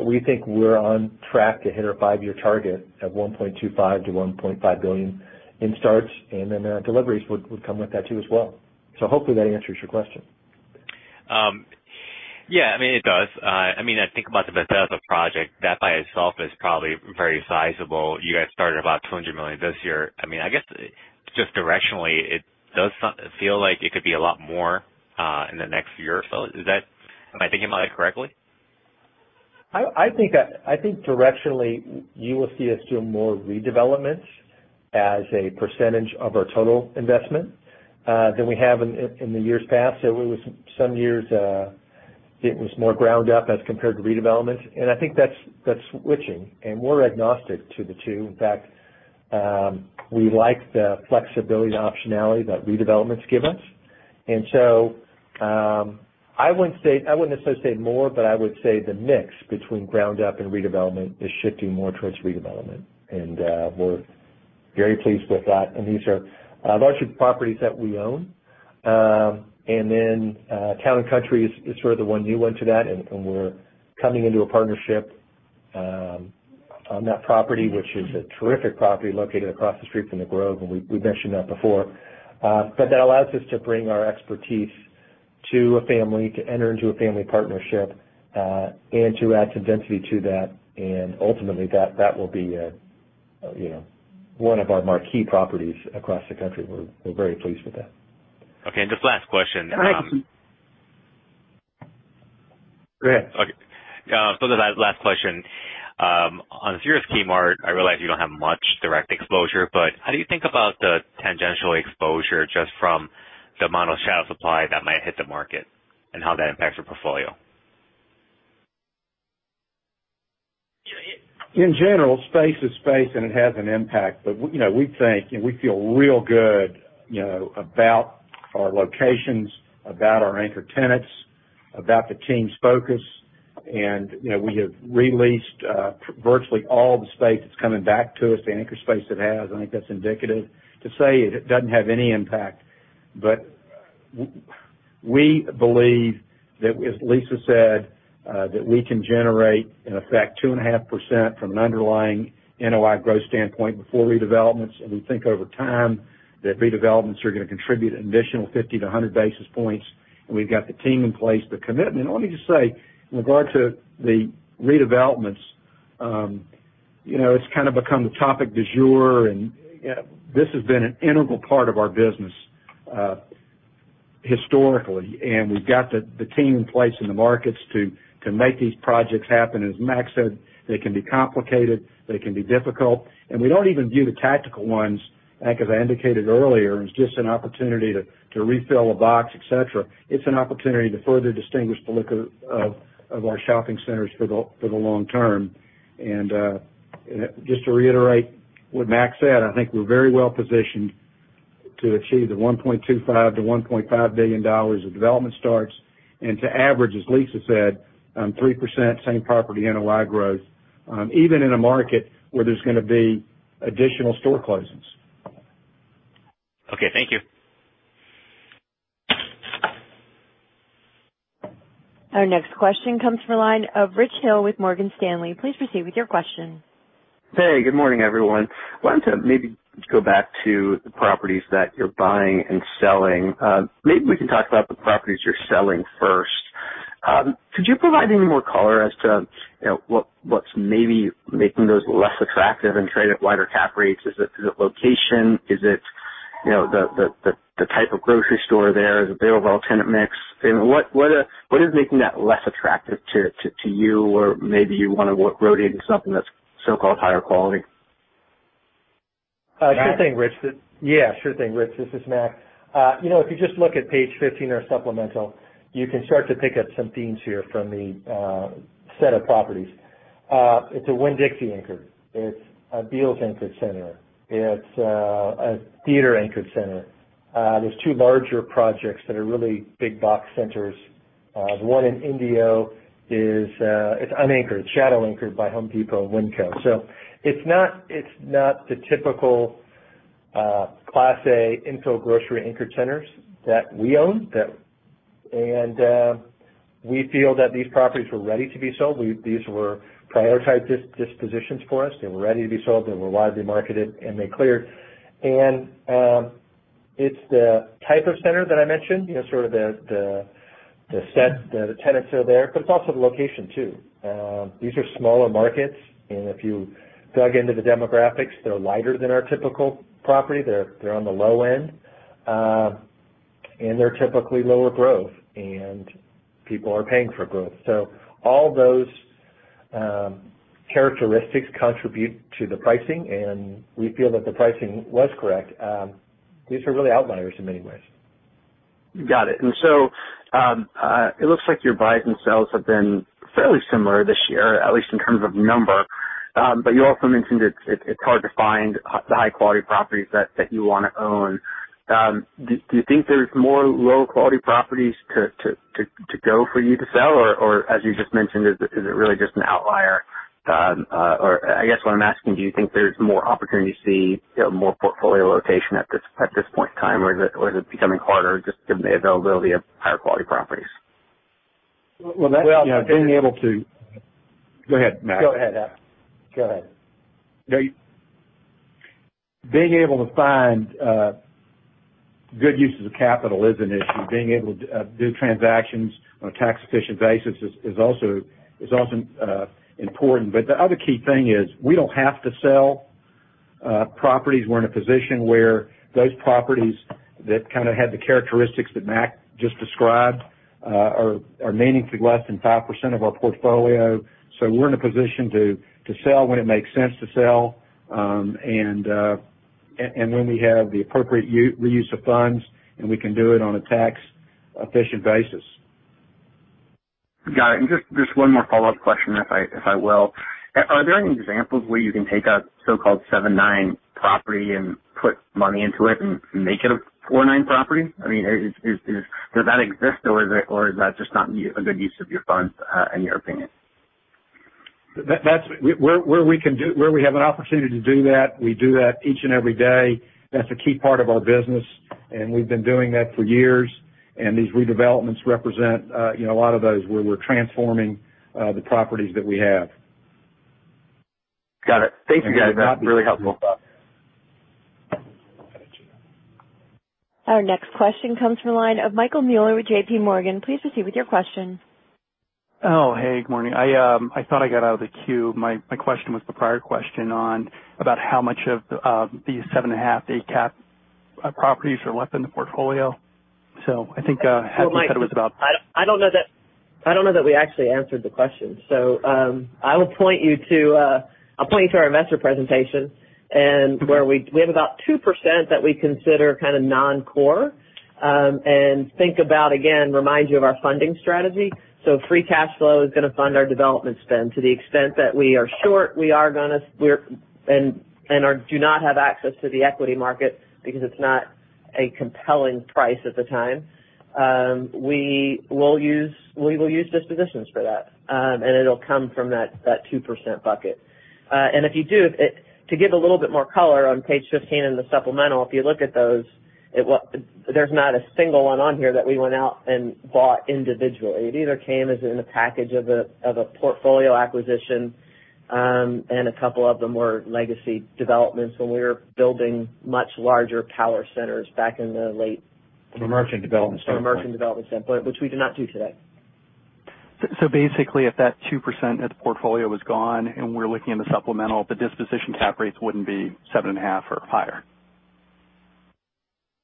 E: We think we're on track to hit our five-year target of $1.25 billion-$1.5 billion in starts, then our deliveries would come with that too as well. Hopefully that answers your question.
L: Yeah, it does. I think about the Bethesda project. That by itself is probably very sizable. You guys started about $200 million this year. I guess, just directionally, it does feel like it could be a lot more in the next year or so. Am I thinking about it correctly?
E: I think directionally, you will see us doing more redevelopments as a percentage of our total investment than we have in the years past. Some years, it was more ground up as compared to redevelopments. I think that's switching, and we're agnostic to the two. In fact, we like the flexibility and optionality that redevelopments give us. I wouldn't necessarily say more, but I would say the mix between ground up and redevelopment is shifting more towards redevelopment. We're very pleased with that. These are largely properties that we own. Town and Country is sort of the one new one to that, and we're coming into a partnership on that property, which is a terrific property located across the street from The Grove, and we've mentioned that before. That allows us to bring our expertise to a family, to enter into a family partnership, and to add some density to that, and ultimately, that will be one of our marquee properties across the country. We're very pleased with that.
L: Okay, just last question.
E: Go ahead.
L: Okay. The last question. On Sears Kmart, I realize you don't have much direct exposure, but how do you think about the tangential exposure just from the amount of shadow supply that might hit the market and how that impacts your portfolio?
C: In general, space is space, and it has an impact. We feel real good about our locations, about our anchor tenants, about the team's focus. We have re-leased virtually all the space that's coming back to us, the anchor space that has. I think that's indicative. To say it doesn't have any impact, but we believe that, as Lisa said, that we can generate, in effect, 2.5% from an underlying NOI growth standpoint before redevelopments. We think over time, that redevelopments are going to contribute an additional 50 to 100 basis points, and we've got the team in place, the commitment. Let me just say, in regard to the redevelopments, it's kind of become the topic du jour, and this has been an integral part of our business historically, and we've got the team in place in the markets to make these projects happen. As Mac said, they can be complicated, they can be difficult, and we don't even view the tactical ones, like as I indicated earlier, as just an opportunity to refill a box, et cetera. It's an opportunity to further distinguish the look of our shopping centers for the long term. Just to reiterate what Mac said, I think we're very well-positioned to achieve the $1.25 billion-$1.5 billion of development starts and to average, as Lisa said, 3% same property NOI growth, even in a market where there's going to be additional store closings.
L: Okay, thank you.
A: Our next question comes from the line of Richard Hill with Morgan Stanley. Please proceed with your question.
M: Hey, good morning, everyone. Wanted to maybe go back to the properties that you're buying and selling. Maybe we can talk about the properties you're selling first. Could you provide any more color as to what's maybe making those less attractive and trade at wider cap rates? Is it location? Is it the type of grocery store there, the overall tenant mix. What is making that less attractive to you? Or maybe you want to rotate to something that's so-called higher quality.
E: Sure thing, Rich. Yeah, sure thing, Rich. This is Mac. If you just look at page 15 of our supplemental, you can start to pick up some themes here from the set of properties. It's a Winn-Dixie anchor. It's a Bealls-anchored center. It's a theater-anchored center. There's two larger projects that are really big box centers. The one in Indio is unanchored, shadow anchored by Home Depot and WinCo. It's not the typical class A infill grocery anchored centers that we own, and we feel that these properties were ready to be sold. These were prioritized dispositions for us. They were ready to be sold, they were widely marketed, and they cleared. It's the type of center that I mentioned, sort of the set that the tenants are there, but it's also the location, too. These are smaller markets. If you dug into the demographics, they're lighter than our typical property. They're on the low end. They're typically lower growth, and people are paying for growth. All those characteristics contribute to the pricing, and we feel that the pricing was correct. These are really outliers in many ways.
M: Got it. It looks like your buys and sells have been fairly similar this year, at least in terms of number. You also mentioned it's hard to find the high-quality properties that you want to own. Do you think there's more low-quality properties to go for you to sell? As you just mentioned, is it really just an outlier? I guess what I'm asking, do you think there's more opportunity to see more portfolio rotation at this point in time or is it becoming harder just given the availability of higher-quality properties?
C: Well.
E: Well-
C: Go ahead, Mac.
E: Go ahead. Go ahead.
C: Being able to find good uses of capital is an issue. Being able to do transactions on a tax-efficient basis is also important. The other key thing is we don't have to sell properties. We're in a position where those properties that kind of had the characteristics that Mac just described are meaningfully less than 5% of our portfolio. We're in a position to sell when it makes sense to sell, and when we have the appropriate reuse of funds, and we can do it on a tax-efficient basis.
M: Got it. Just one more follow-up question, if I will. Are there any examples where you can take a so-called seven-nine property and put money into it and make it a four-nine property? Does that exist, or is that just not a good use of your funds, in your opinion?
C: Where we have an opportunity to do that, we do that each and every day. That's a key part of our business, we've been doing that for years, these redevelopments represent a lot of those where we're transforming the properties that we have.
M: Got it. Thank you, guys. That's really helpful.
E: You're welcome.
A: Our next question comes from the line of Michael Mueller with J.P. Morgan. Please proceed with your question.
N: Oh, hey. Good morning. I thought I got out of the queue. My question was the prior question on about how much of these seven and a half, eight-cap properties are left in the portfolio. I think half you said it was about-
E: Well, Mike, I don't know that we actually answered the question. I'll point you to our investor presentation and where we have about 2% that we consider kind of non-core, and think about, again, remind you of our funding strategy. Free cash flow is going to fund our development spend. To the extent that we are short, and do not have access to the equity market because it's not a compelling price at the time, we will use dispositions for that. It'll come from that 2% bucket. If you do, to give a little bit more color on page 15 in the supplemental, if you look at those, there's not a single one on here that we went out and bought individually. It either came as in a package of a portfolio acquisition, and a couple of them were legacy developments when we were building much larger power centers back in the late-
C: From a merchant development standpoint
E: From a merchant development standpoint, which we do not do today.
N: Basically, if that 2% of the portfolio was gone, and we're looking in the supplemental, the disposition cap rates wouldn't be 7.5 or higher.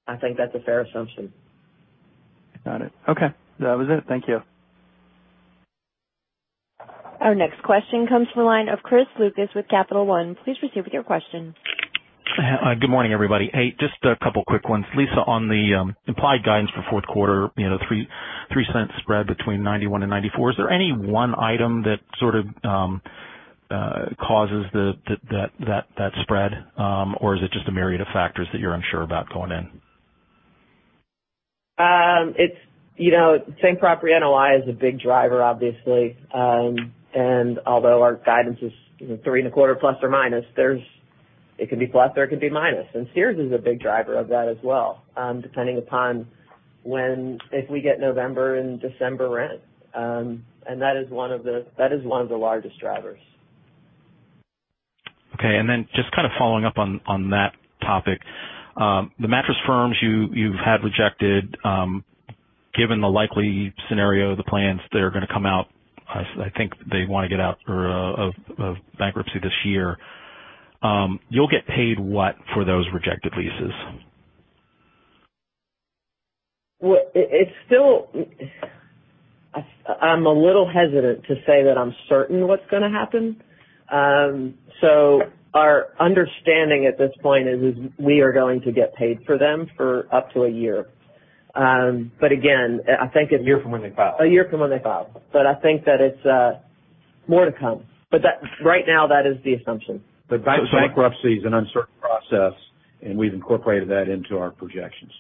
E: I think that's a fair assumption.
N: Got it. Okay. That was it. Thank you.
A: Our next question comes from the line of Chris Lucas with Capital One. Please proceed with your question.
O: Good morning, everybody. Hey, just a couple quick ones. Lisa, on the implied guidance for fourth quarter, the $0.03 spread between $0.91 and $0.94, is there any one item that sort of causes that spread? Is it just a myriad of factors that you're unsure about going in?
F: Same property NOI is a big driver, obviously. Although our guidance is three and a quarter, ±, it could be plus, or it could be minus. Sears is a big driver of that as well, depending upon if we get November and December rent. That is one of the largest drivers.
O: Okay, just kind of following up on that topic. The Mattress Firms, you've had rejected, given the likely scenario, the plans that are going to come out, I think they want to get out of bankruptcy this year. You'll get paid what for those rejected leases?
F: Well, I'm a little hesitant to say that I'm certain what's going to happen. Our understanding at this point is we are going to get paid for them for up to a year.
C: A year from when they file.
F: A year from when they file. I think that it's more to come. Right now, that is the assumption.
C: Bankruptcy is an uncertain process, and we've incorporated that into our projections.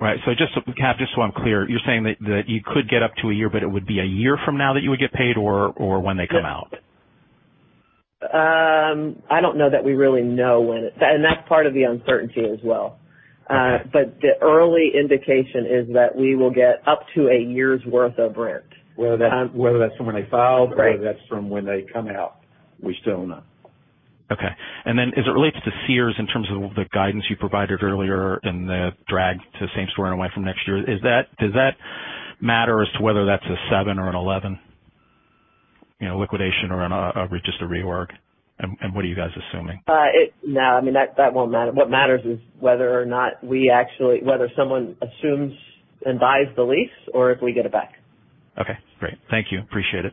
O: Right. Just so I'm clear, you're saying that you could get up to a year, but it would be a year from now that you would get paid, or when they come out?
F: I don't know that we really know when. That's part of the uncertainty as well. The early indication is that we will get up to a year's worth of rent.
C: Whether that's from when they file-
F: Right
C: Whether that's from when they come out, we still don't know.
O: Okay. Then as it relates to Sears in terms of the guidance you provided earlier and the drag to same store and away from next year, does that matter as to whether that's a seven or an 11 liquidation or just a rework? What are you guys assuming?
F: No, that won't matter. What matters is whether someone assumes and buys the lease or if we get it back.
O: Okay, great. Thank you. Appreciate it.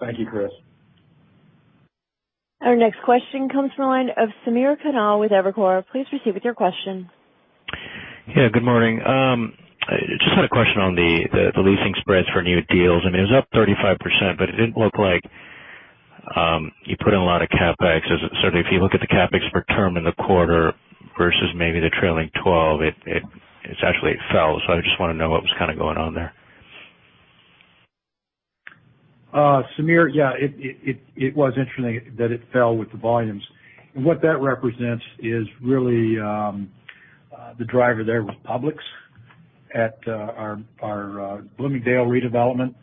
C: Thank you, Chris.
A: Our next question comes from the line of Samir Khanal with Evercore. Please proceed with your question.
P: Yeah, good morning. Just had a question on the leasing spreads for new deals. I mean, it was up 35%, it didn't look like you put in a lot of CapEx. Certainly, if you look at the CapEx per term in the quarter versus maybe the trailing 12, it actually fell. I just want to know what was kind of going on there.
C: Samir, yeah, it was interesting that it fell with the volumes. What that represents is really the driver there was Publix at our Bloomingdale redevelopment.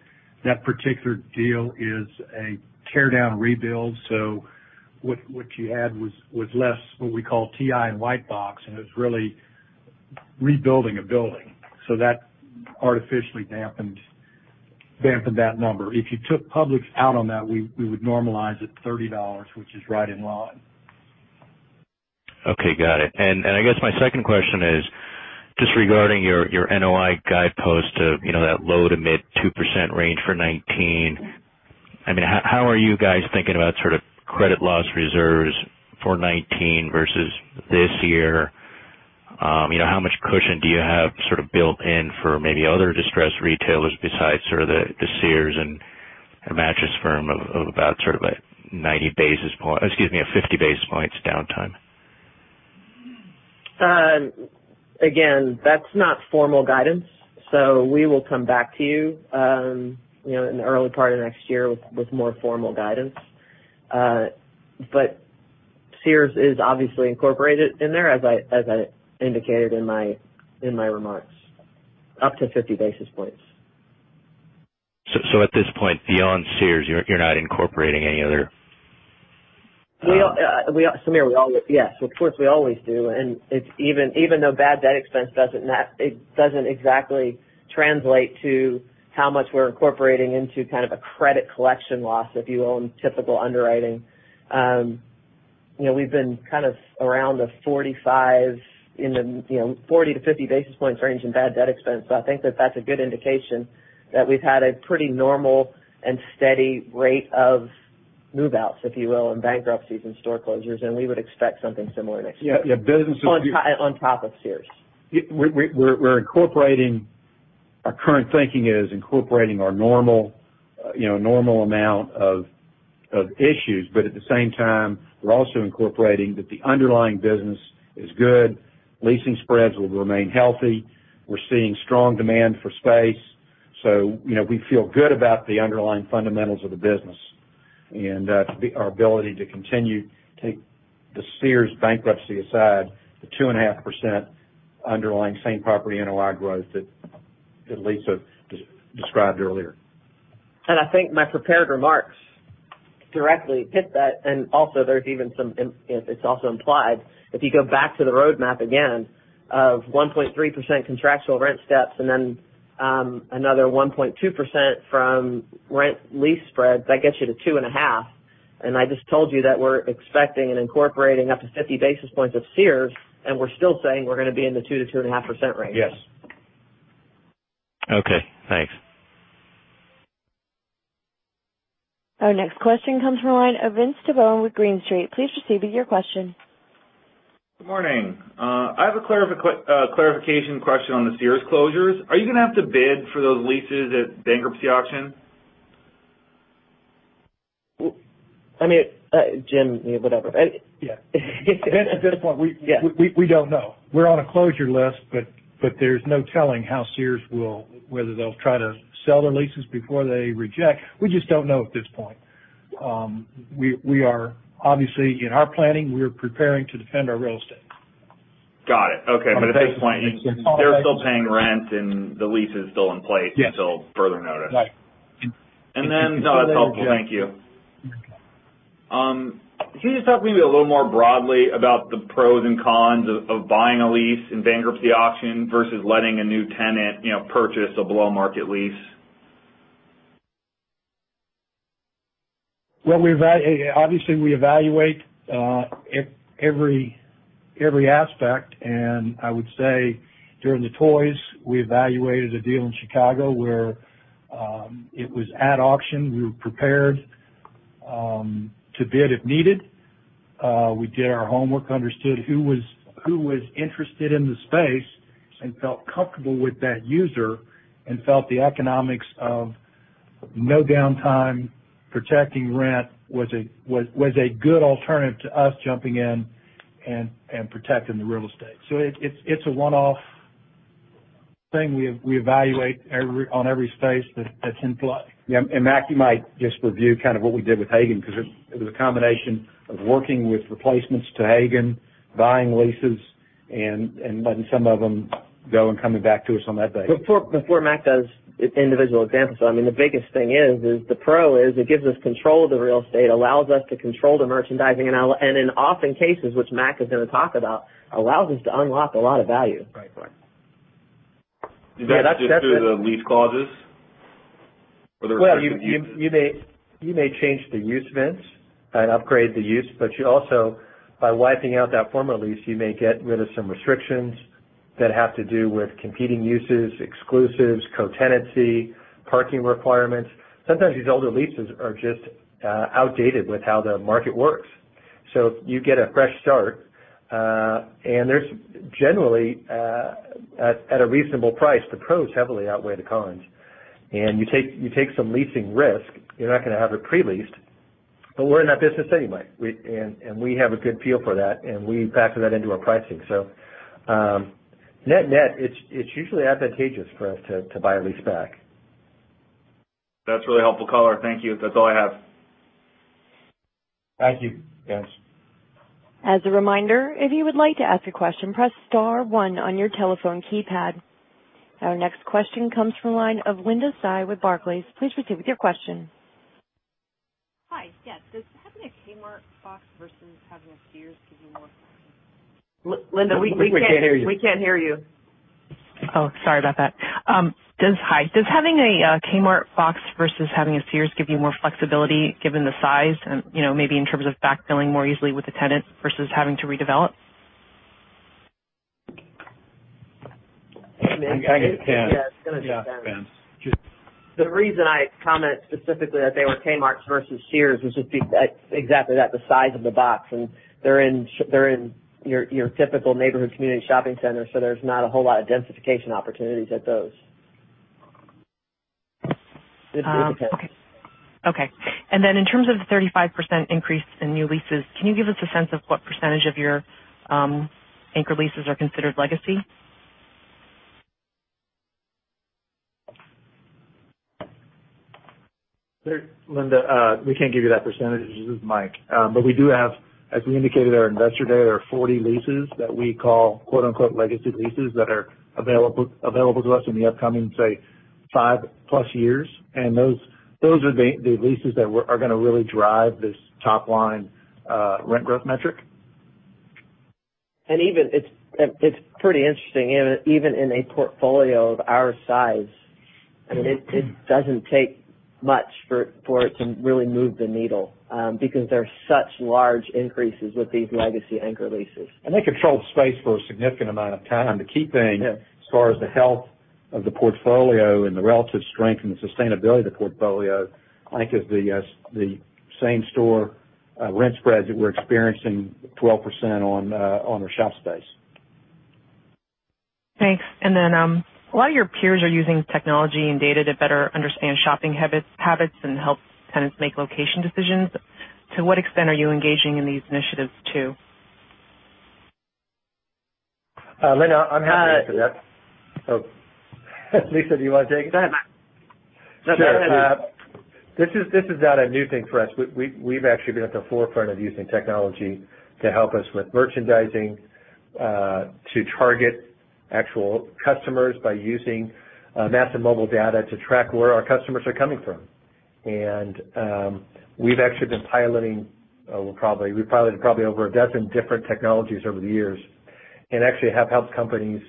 C: That particular deal is a tear-down rebuild. What you had was less what we call TI and white box, it was really rebuilding a building. That artificially dampened that number. If you took Publix out on that, we would normalize it $30, which is right in line.
P: Okay, got it. I guess my second question is just regarding your NOI guidepost of that low to mid 2% range for 2019. How are you guys thinking about sort of credit loss reserves for 2019 versus this year? How much cushion do you have sort of built in for maybe other distressed retailers besides sort of the Sears and Mattress Firm of about sort of a 90 basis point, excuse me, a 50 basis points downtime?
F: Again, that's not formal guidance, we will come back to you in the early part of next year with more formal guidance. Sears is obviously incorporated in there, as I indicated in my remarks, up to 50 basis points.
P: At this point, beyond Sears, you're not incorporating any other?
F: Samir, yes, of course, we always do. Even though bad debt expense doesn't exactly translate to how much we're incorporating into kind of a credit collection loss, if you own typical underwriting. We've been kind of around the 45 in the 40-50 basis points range in bad debt expense. I think that that's a good indication that we've had a pretty normal and steady rate of move-outs, if you will, and bankruptcies and store closures, and we would expect something similar next year.
C: Yeah, businesses-
F: On top of Sears.
C: Our current thinking is incorporating our normal amount of issues, but at the same time, we're also incorporating that the underlying business is good. Leasing spreads will remain healthy. We're seeing strong demand for space. We feel good about the underlying fundamentals of the business and our ability to continue, take the Sears bankruptcy aside, the 2.5% underlying same property NOI growth that Lisa described earlier.
F: I think my prepared remarks directly hit that, and it's also implied. If you go back to the roadmap again of 1.3% contractual rent steps and then another 1.2% from rent lease spreads, that gets you to 2.5, I just told you that we're expecting and incorporating up to 50 basis points of Sears, we're still saying we're going to be in the 2%-2.5% range.
C: Yes.
P: Okay, thanks.
A: Our next question comes from the line of Vince Tibone with Green Street. Please proceed with your question.
Q: Good morning. I have a clarification question on the Sears closures. Are you going to have to bid for those leases at bankruptcy auction?
F: I mean, Jim, whatever.
D: Yeah. Vince, at this point, we don't know. We're on a closure list, but there's no telling whether they'll try to sell their leases before they reject. We just don't know at this point. Obviously, in our planning, we are preparing to defend our real estate.
Q: Got it. Okay. At this point, they're still paying rent and the lease is still in place.
C: Yes
Q: until further notice.
C: Right.
Q: No, that's helpful. Thank you. Can you just talk maybe a little more broadly about the pros and cons of buying a lease in bankruptcy auction versus letting a new tenant purchase a below-market lease?
R: Well, obviously, we evaluate every aspect, and I would say, during the Toys, we evaluated a deal in Chicago where it was at auction. We were prepared to bid if needed. We did our homework, understood who was interested in the space, and felt comfortable with that user, and felt the economics of no downtime, protecting rent was a good alternative to us jumping in and protecting the real estate. It's a one-off thing. We evaluate on every space that's in play.
C: Yeah, Mac, you might just review kind of what we did with Haggen because it was a combination of working with replacements to Haggen, buying leases, and letting some of them go and coming back to us on that day.
F: Before Mac does individual examples. The biggest thing is, the pro is it gives us control of the real estate, allows us to control the merchandising, and in often cases, which Mac is going to talk about, allows us to unlock a lot of value.
C: Right.
Q: Is that just through the lease clauses?
E: Well, you may change the use covenants and upgrade the use, you also, by wiping out that former lease, you may get rid of some restrictions that have to do with competing uses, exclusives, co-tenancy, parking requirements. Sometimes these older leases are just outdated with how the market works. You get a fresh start, there's generally at a reasonable price. The pros heavily outweigh the cons. You take some leasing risk, you're not going to have it pre-leased, but we're in that business anyway, and we have a good feel for that, and we factor that into our pricing. Net, it's usually advantageous for us to buy a lease back.
Q: That's really helpful color. Thank you. That's all I have.
R: Thank you, guys.
A: As a reminder, if you would like to ask a question, press star one on your telephone keypad. Our next question comes from line of Linda Tsai with Barclays. Please proceed with your question.
S: Hi. Yeah. Does having a Kmart box versus having a Sears give you more-
F: Linda, we can't-
C: We can't hear you
F: We can't hear you.
S: Oh, sorry about that. Hi. Does having a Kmart box versus having a Sears give you more flexibility given the size and maybe in terms of backfilling more easily with the tenant versus having to redevelop?
R: I can.
F: Yeah, it's going to be Ben.
C: Yeah, it's Ben.
F: The reason I comment specifically that they were Kmarts versus Sears was just exactly that, the size of the box, and they're in your typical neighborhood community shopping center. There's not a whole lot of densification opportunities at those.
S: Okay. In terms of 35% increase in new leases, can you give us a sense of what percentage of your anchor leases are considered legacy?
R: Linda, we can't give you that percentage. This is Mike. We do have, as we indicated at our Investor Day, there are 40 leases that we call "legacy leases" that are available to us in the upcoming, say, 5+ years. Those are the leases that are going to really drive this top-line rent growth metric.
F: It's pretty interesting. Even in a portfolio of our size, it doesn't take much for it to really move the needle because there's such large increases with these legacy anchor leases.
C: They control the space for a significant amount of time.
F: Yes
C: as far as the health of the portfolio and the relative strength and the sustainability of the portfolio, I think is the same store rent spreads that we're experiencing 12% on our shop space.
S: Thanks. A lot of your peers are using technology and data to better understand shopping habits and help tenants make location decisions. To what extent are you engaging in these initiatives, too?
R: Linda, I'm happy to answer that.
F: Hi.
R: Lisa, do you want to take it?
E: Go ahead, Mike. No, go ahead. Sure. This is not a new thing for us. We've actually been at the forefront of using technology to help us with merchandising, to target actual customers by using massive mobile data to track where our customers are coming from. We've actually been piloting, we've piloted probably over a dozen different technologies over the years and actually have helped companies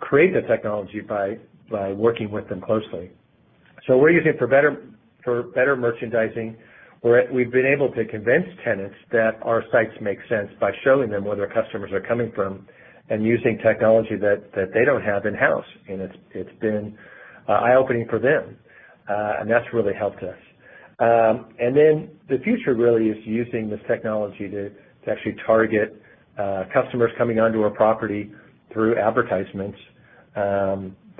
E: create the technology by working with them closely. We're using it for better merchandising, we've been able to convince tenants that our sites make sense by showing them where their customers are coming from and using technology that they don't have in-house. It's been eye-opening for them. That's really helped us. The future really is using this technology to actually target customers coming onto our property through advertisements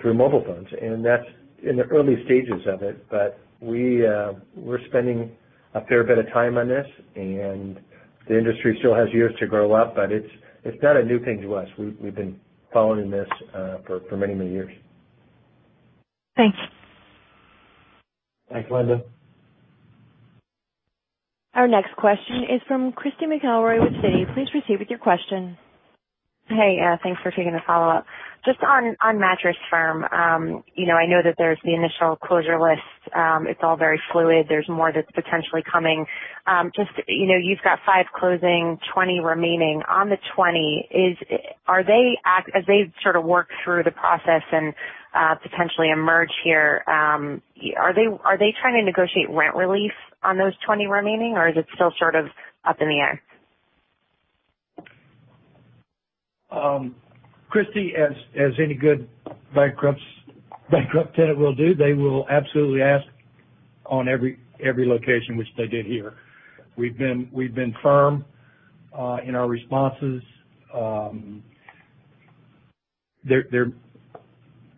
E: through mobile phones. That's in the early stages of it, but we're spending a fair bit of time on this, and the industry still has years to grow up, but it's not a new thing to us. We've been following this for many, many years.
S: Thanks.
R: Thanks, Linda.
A: Our next question is from Christy McElroy with Citi. Please proceed with your question.
H: Hey, thanks for taking the follow-up. Just on Mattress Firm. I know that there's the initial closure list. It's all very fluid. There's more that's potentially coming. You've got five closing, 20 remaining. On the 20, as they sort of work through the process and potentially emerge here, are they trying to negotiate rent relief on those 20 remaining, or is it still sort of up in the air?
D: Christy, as any good bankrupt tenant will do, they will absolutely ask on every location, which they did here. We've been firm in our responses.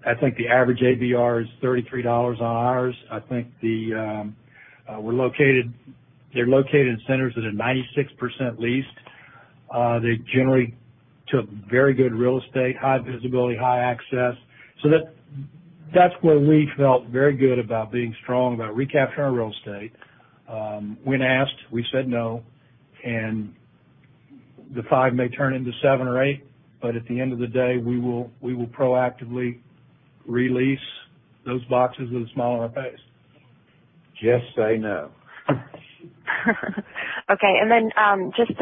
D: I think the average ABR is $33 on ours. I think they're located in centers that are 96% leased. They generally took very good real estate, high visibility, high access. That's where we felt very good about being strong about recapturing our real estate. When asked, we said no. The five may turn into seven or eight. At the end of the day, we will proactively re-lease those boxes with a smile on our face.
C: Just say no. Just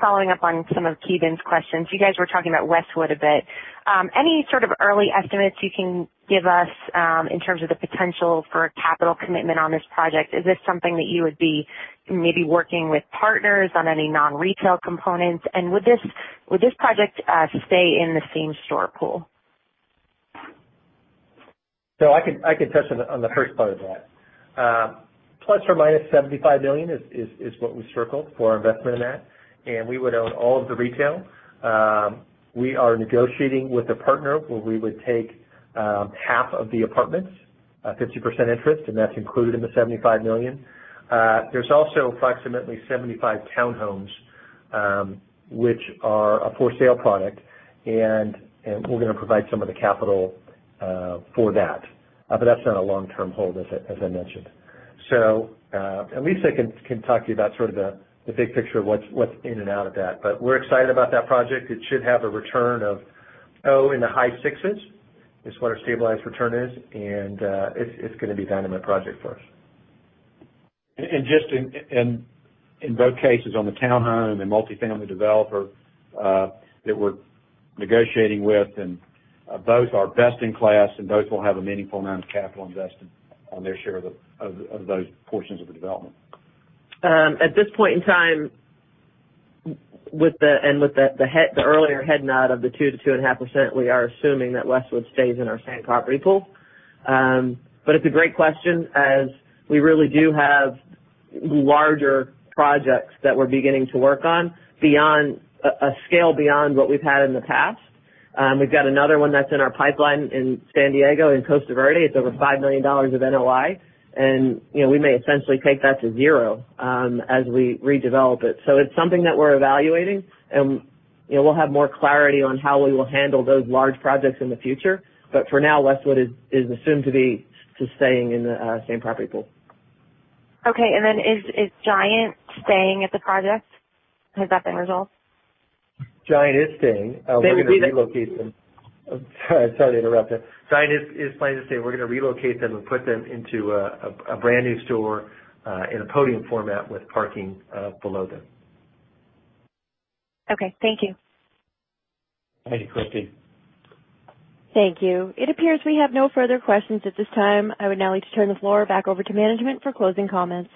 C: following up on some of Ki Bin questions, you guys were talking about Westwood a bit. Any sort of early estimates you can give us in terms of the potential for a capital commitment on this project? Is this something that you would be maybe working with partners on any non-retail components? Would this project stay in the same store pool?
E: I can touch on the first part of that. ±$75 million is what we circled for our investment in that, and we would own all of the retail. We are negotiating with a partner where we would take half of the apartments, a 50% interest, and that's included in the $75 million. There's also approximately 75 townhomes, which are a for-sale product, and we're going to provide some of the capital for that. That's not a long-term hold, as I mentioned. At least I can talk to you about sort of the big picture of what's in and out of that. We're excited about that project. It should have a return of, oh, in the high sixes, is what our stabilized return is, and it's gonna be a dynamic project for us.
C: Just in both cases on the townhome and multifamily developer that we're negotiating with, both are best in class, both will have a meaningful amount of capital invested on their share of those portions of the development.
F: At this point in time, with the earlier head nod of the 2%-2.5%, we are assuming that Westwood stays in our same property pool. It's a great question, as we really do have larger projects that we're beginning to work on, a scale beyond what we've had in the past. We've got another one that's in our pipeline in San Diego, in Costa Verde. It's over $5 million of NOI, and we may essentially take that to zero as we redevelop it. It's something that we're evaluating, and we'll have more clarity on how we will handle those large projects in the future. For now, Westwood is assumed to be just staying in the same property pool.
H: Okay, is Giant staying at the project? Has that been resolved?
E: Giant is staying. We're going to relocate them.
C: They will be-
E: Sorry to interrupt. Giant is planning to stay. We're going to relocate them and put them into a brand new store in a podium format with parking below them.
H: Okay. Thank you.
C: Thank you, Christy.
A: Thank you. It appears we have no further questions at this time. I would now like to turn the floor back over to management for closing comments.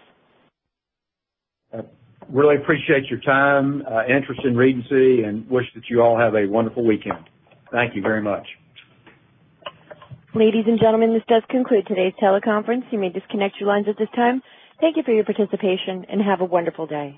C: Really appreciate your time, interest in Regency, and wish that you all have a wonderful weekend. Thank you very much.
A: Ladies and gentlemen, this does conclude today's teleconference. You may disconnect your lines at this time. Thank you for your participation, and have a wonderful day.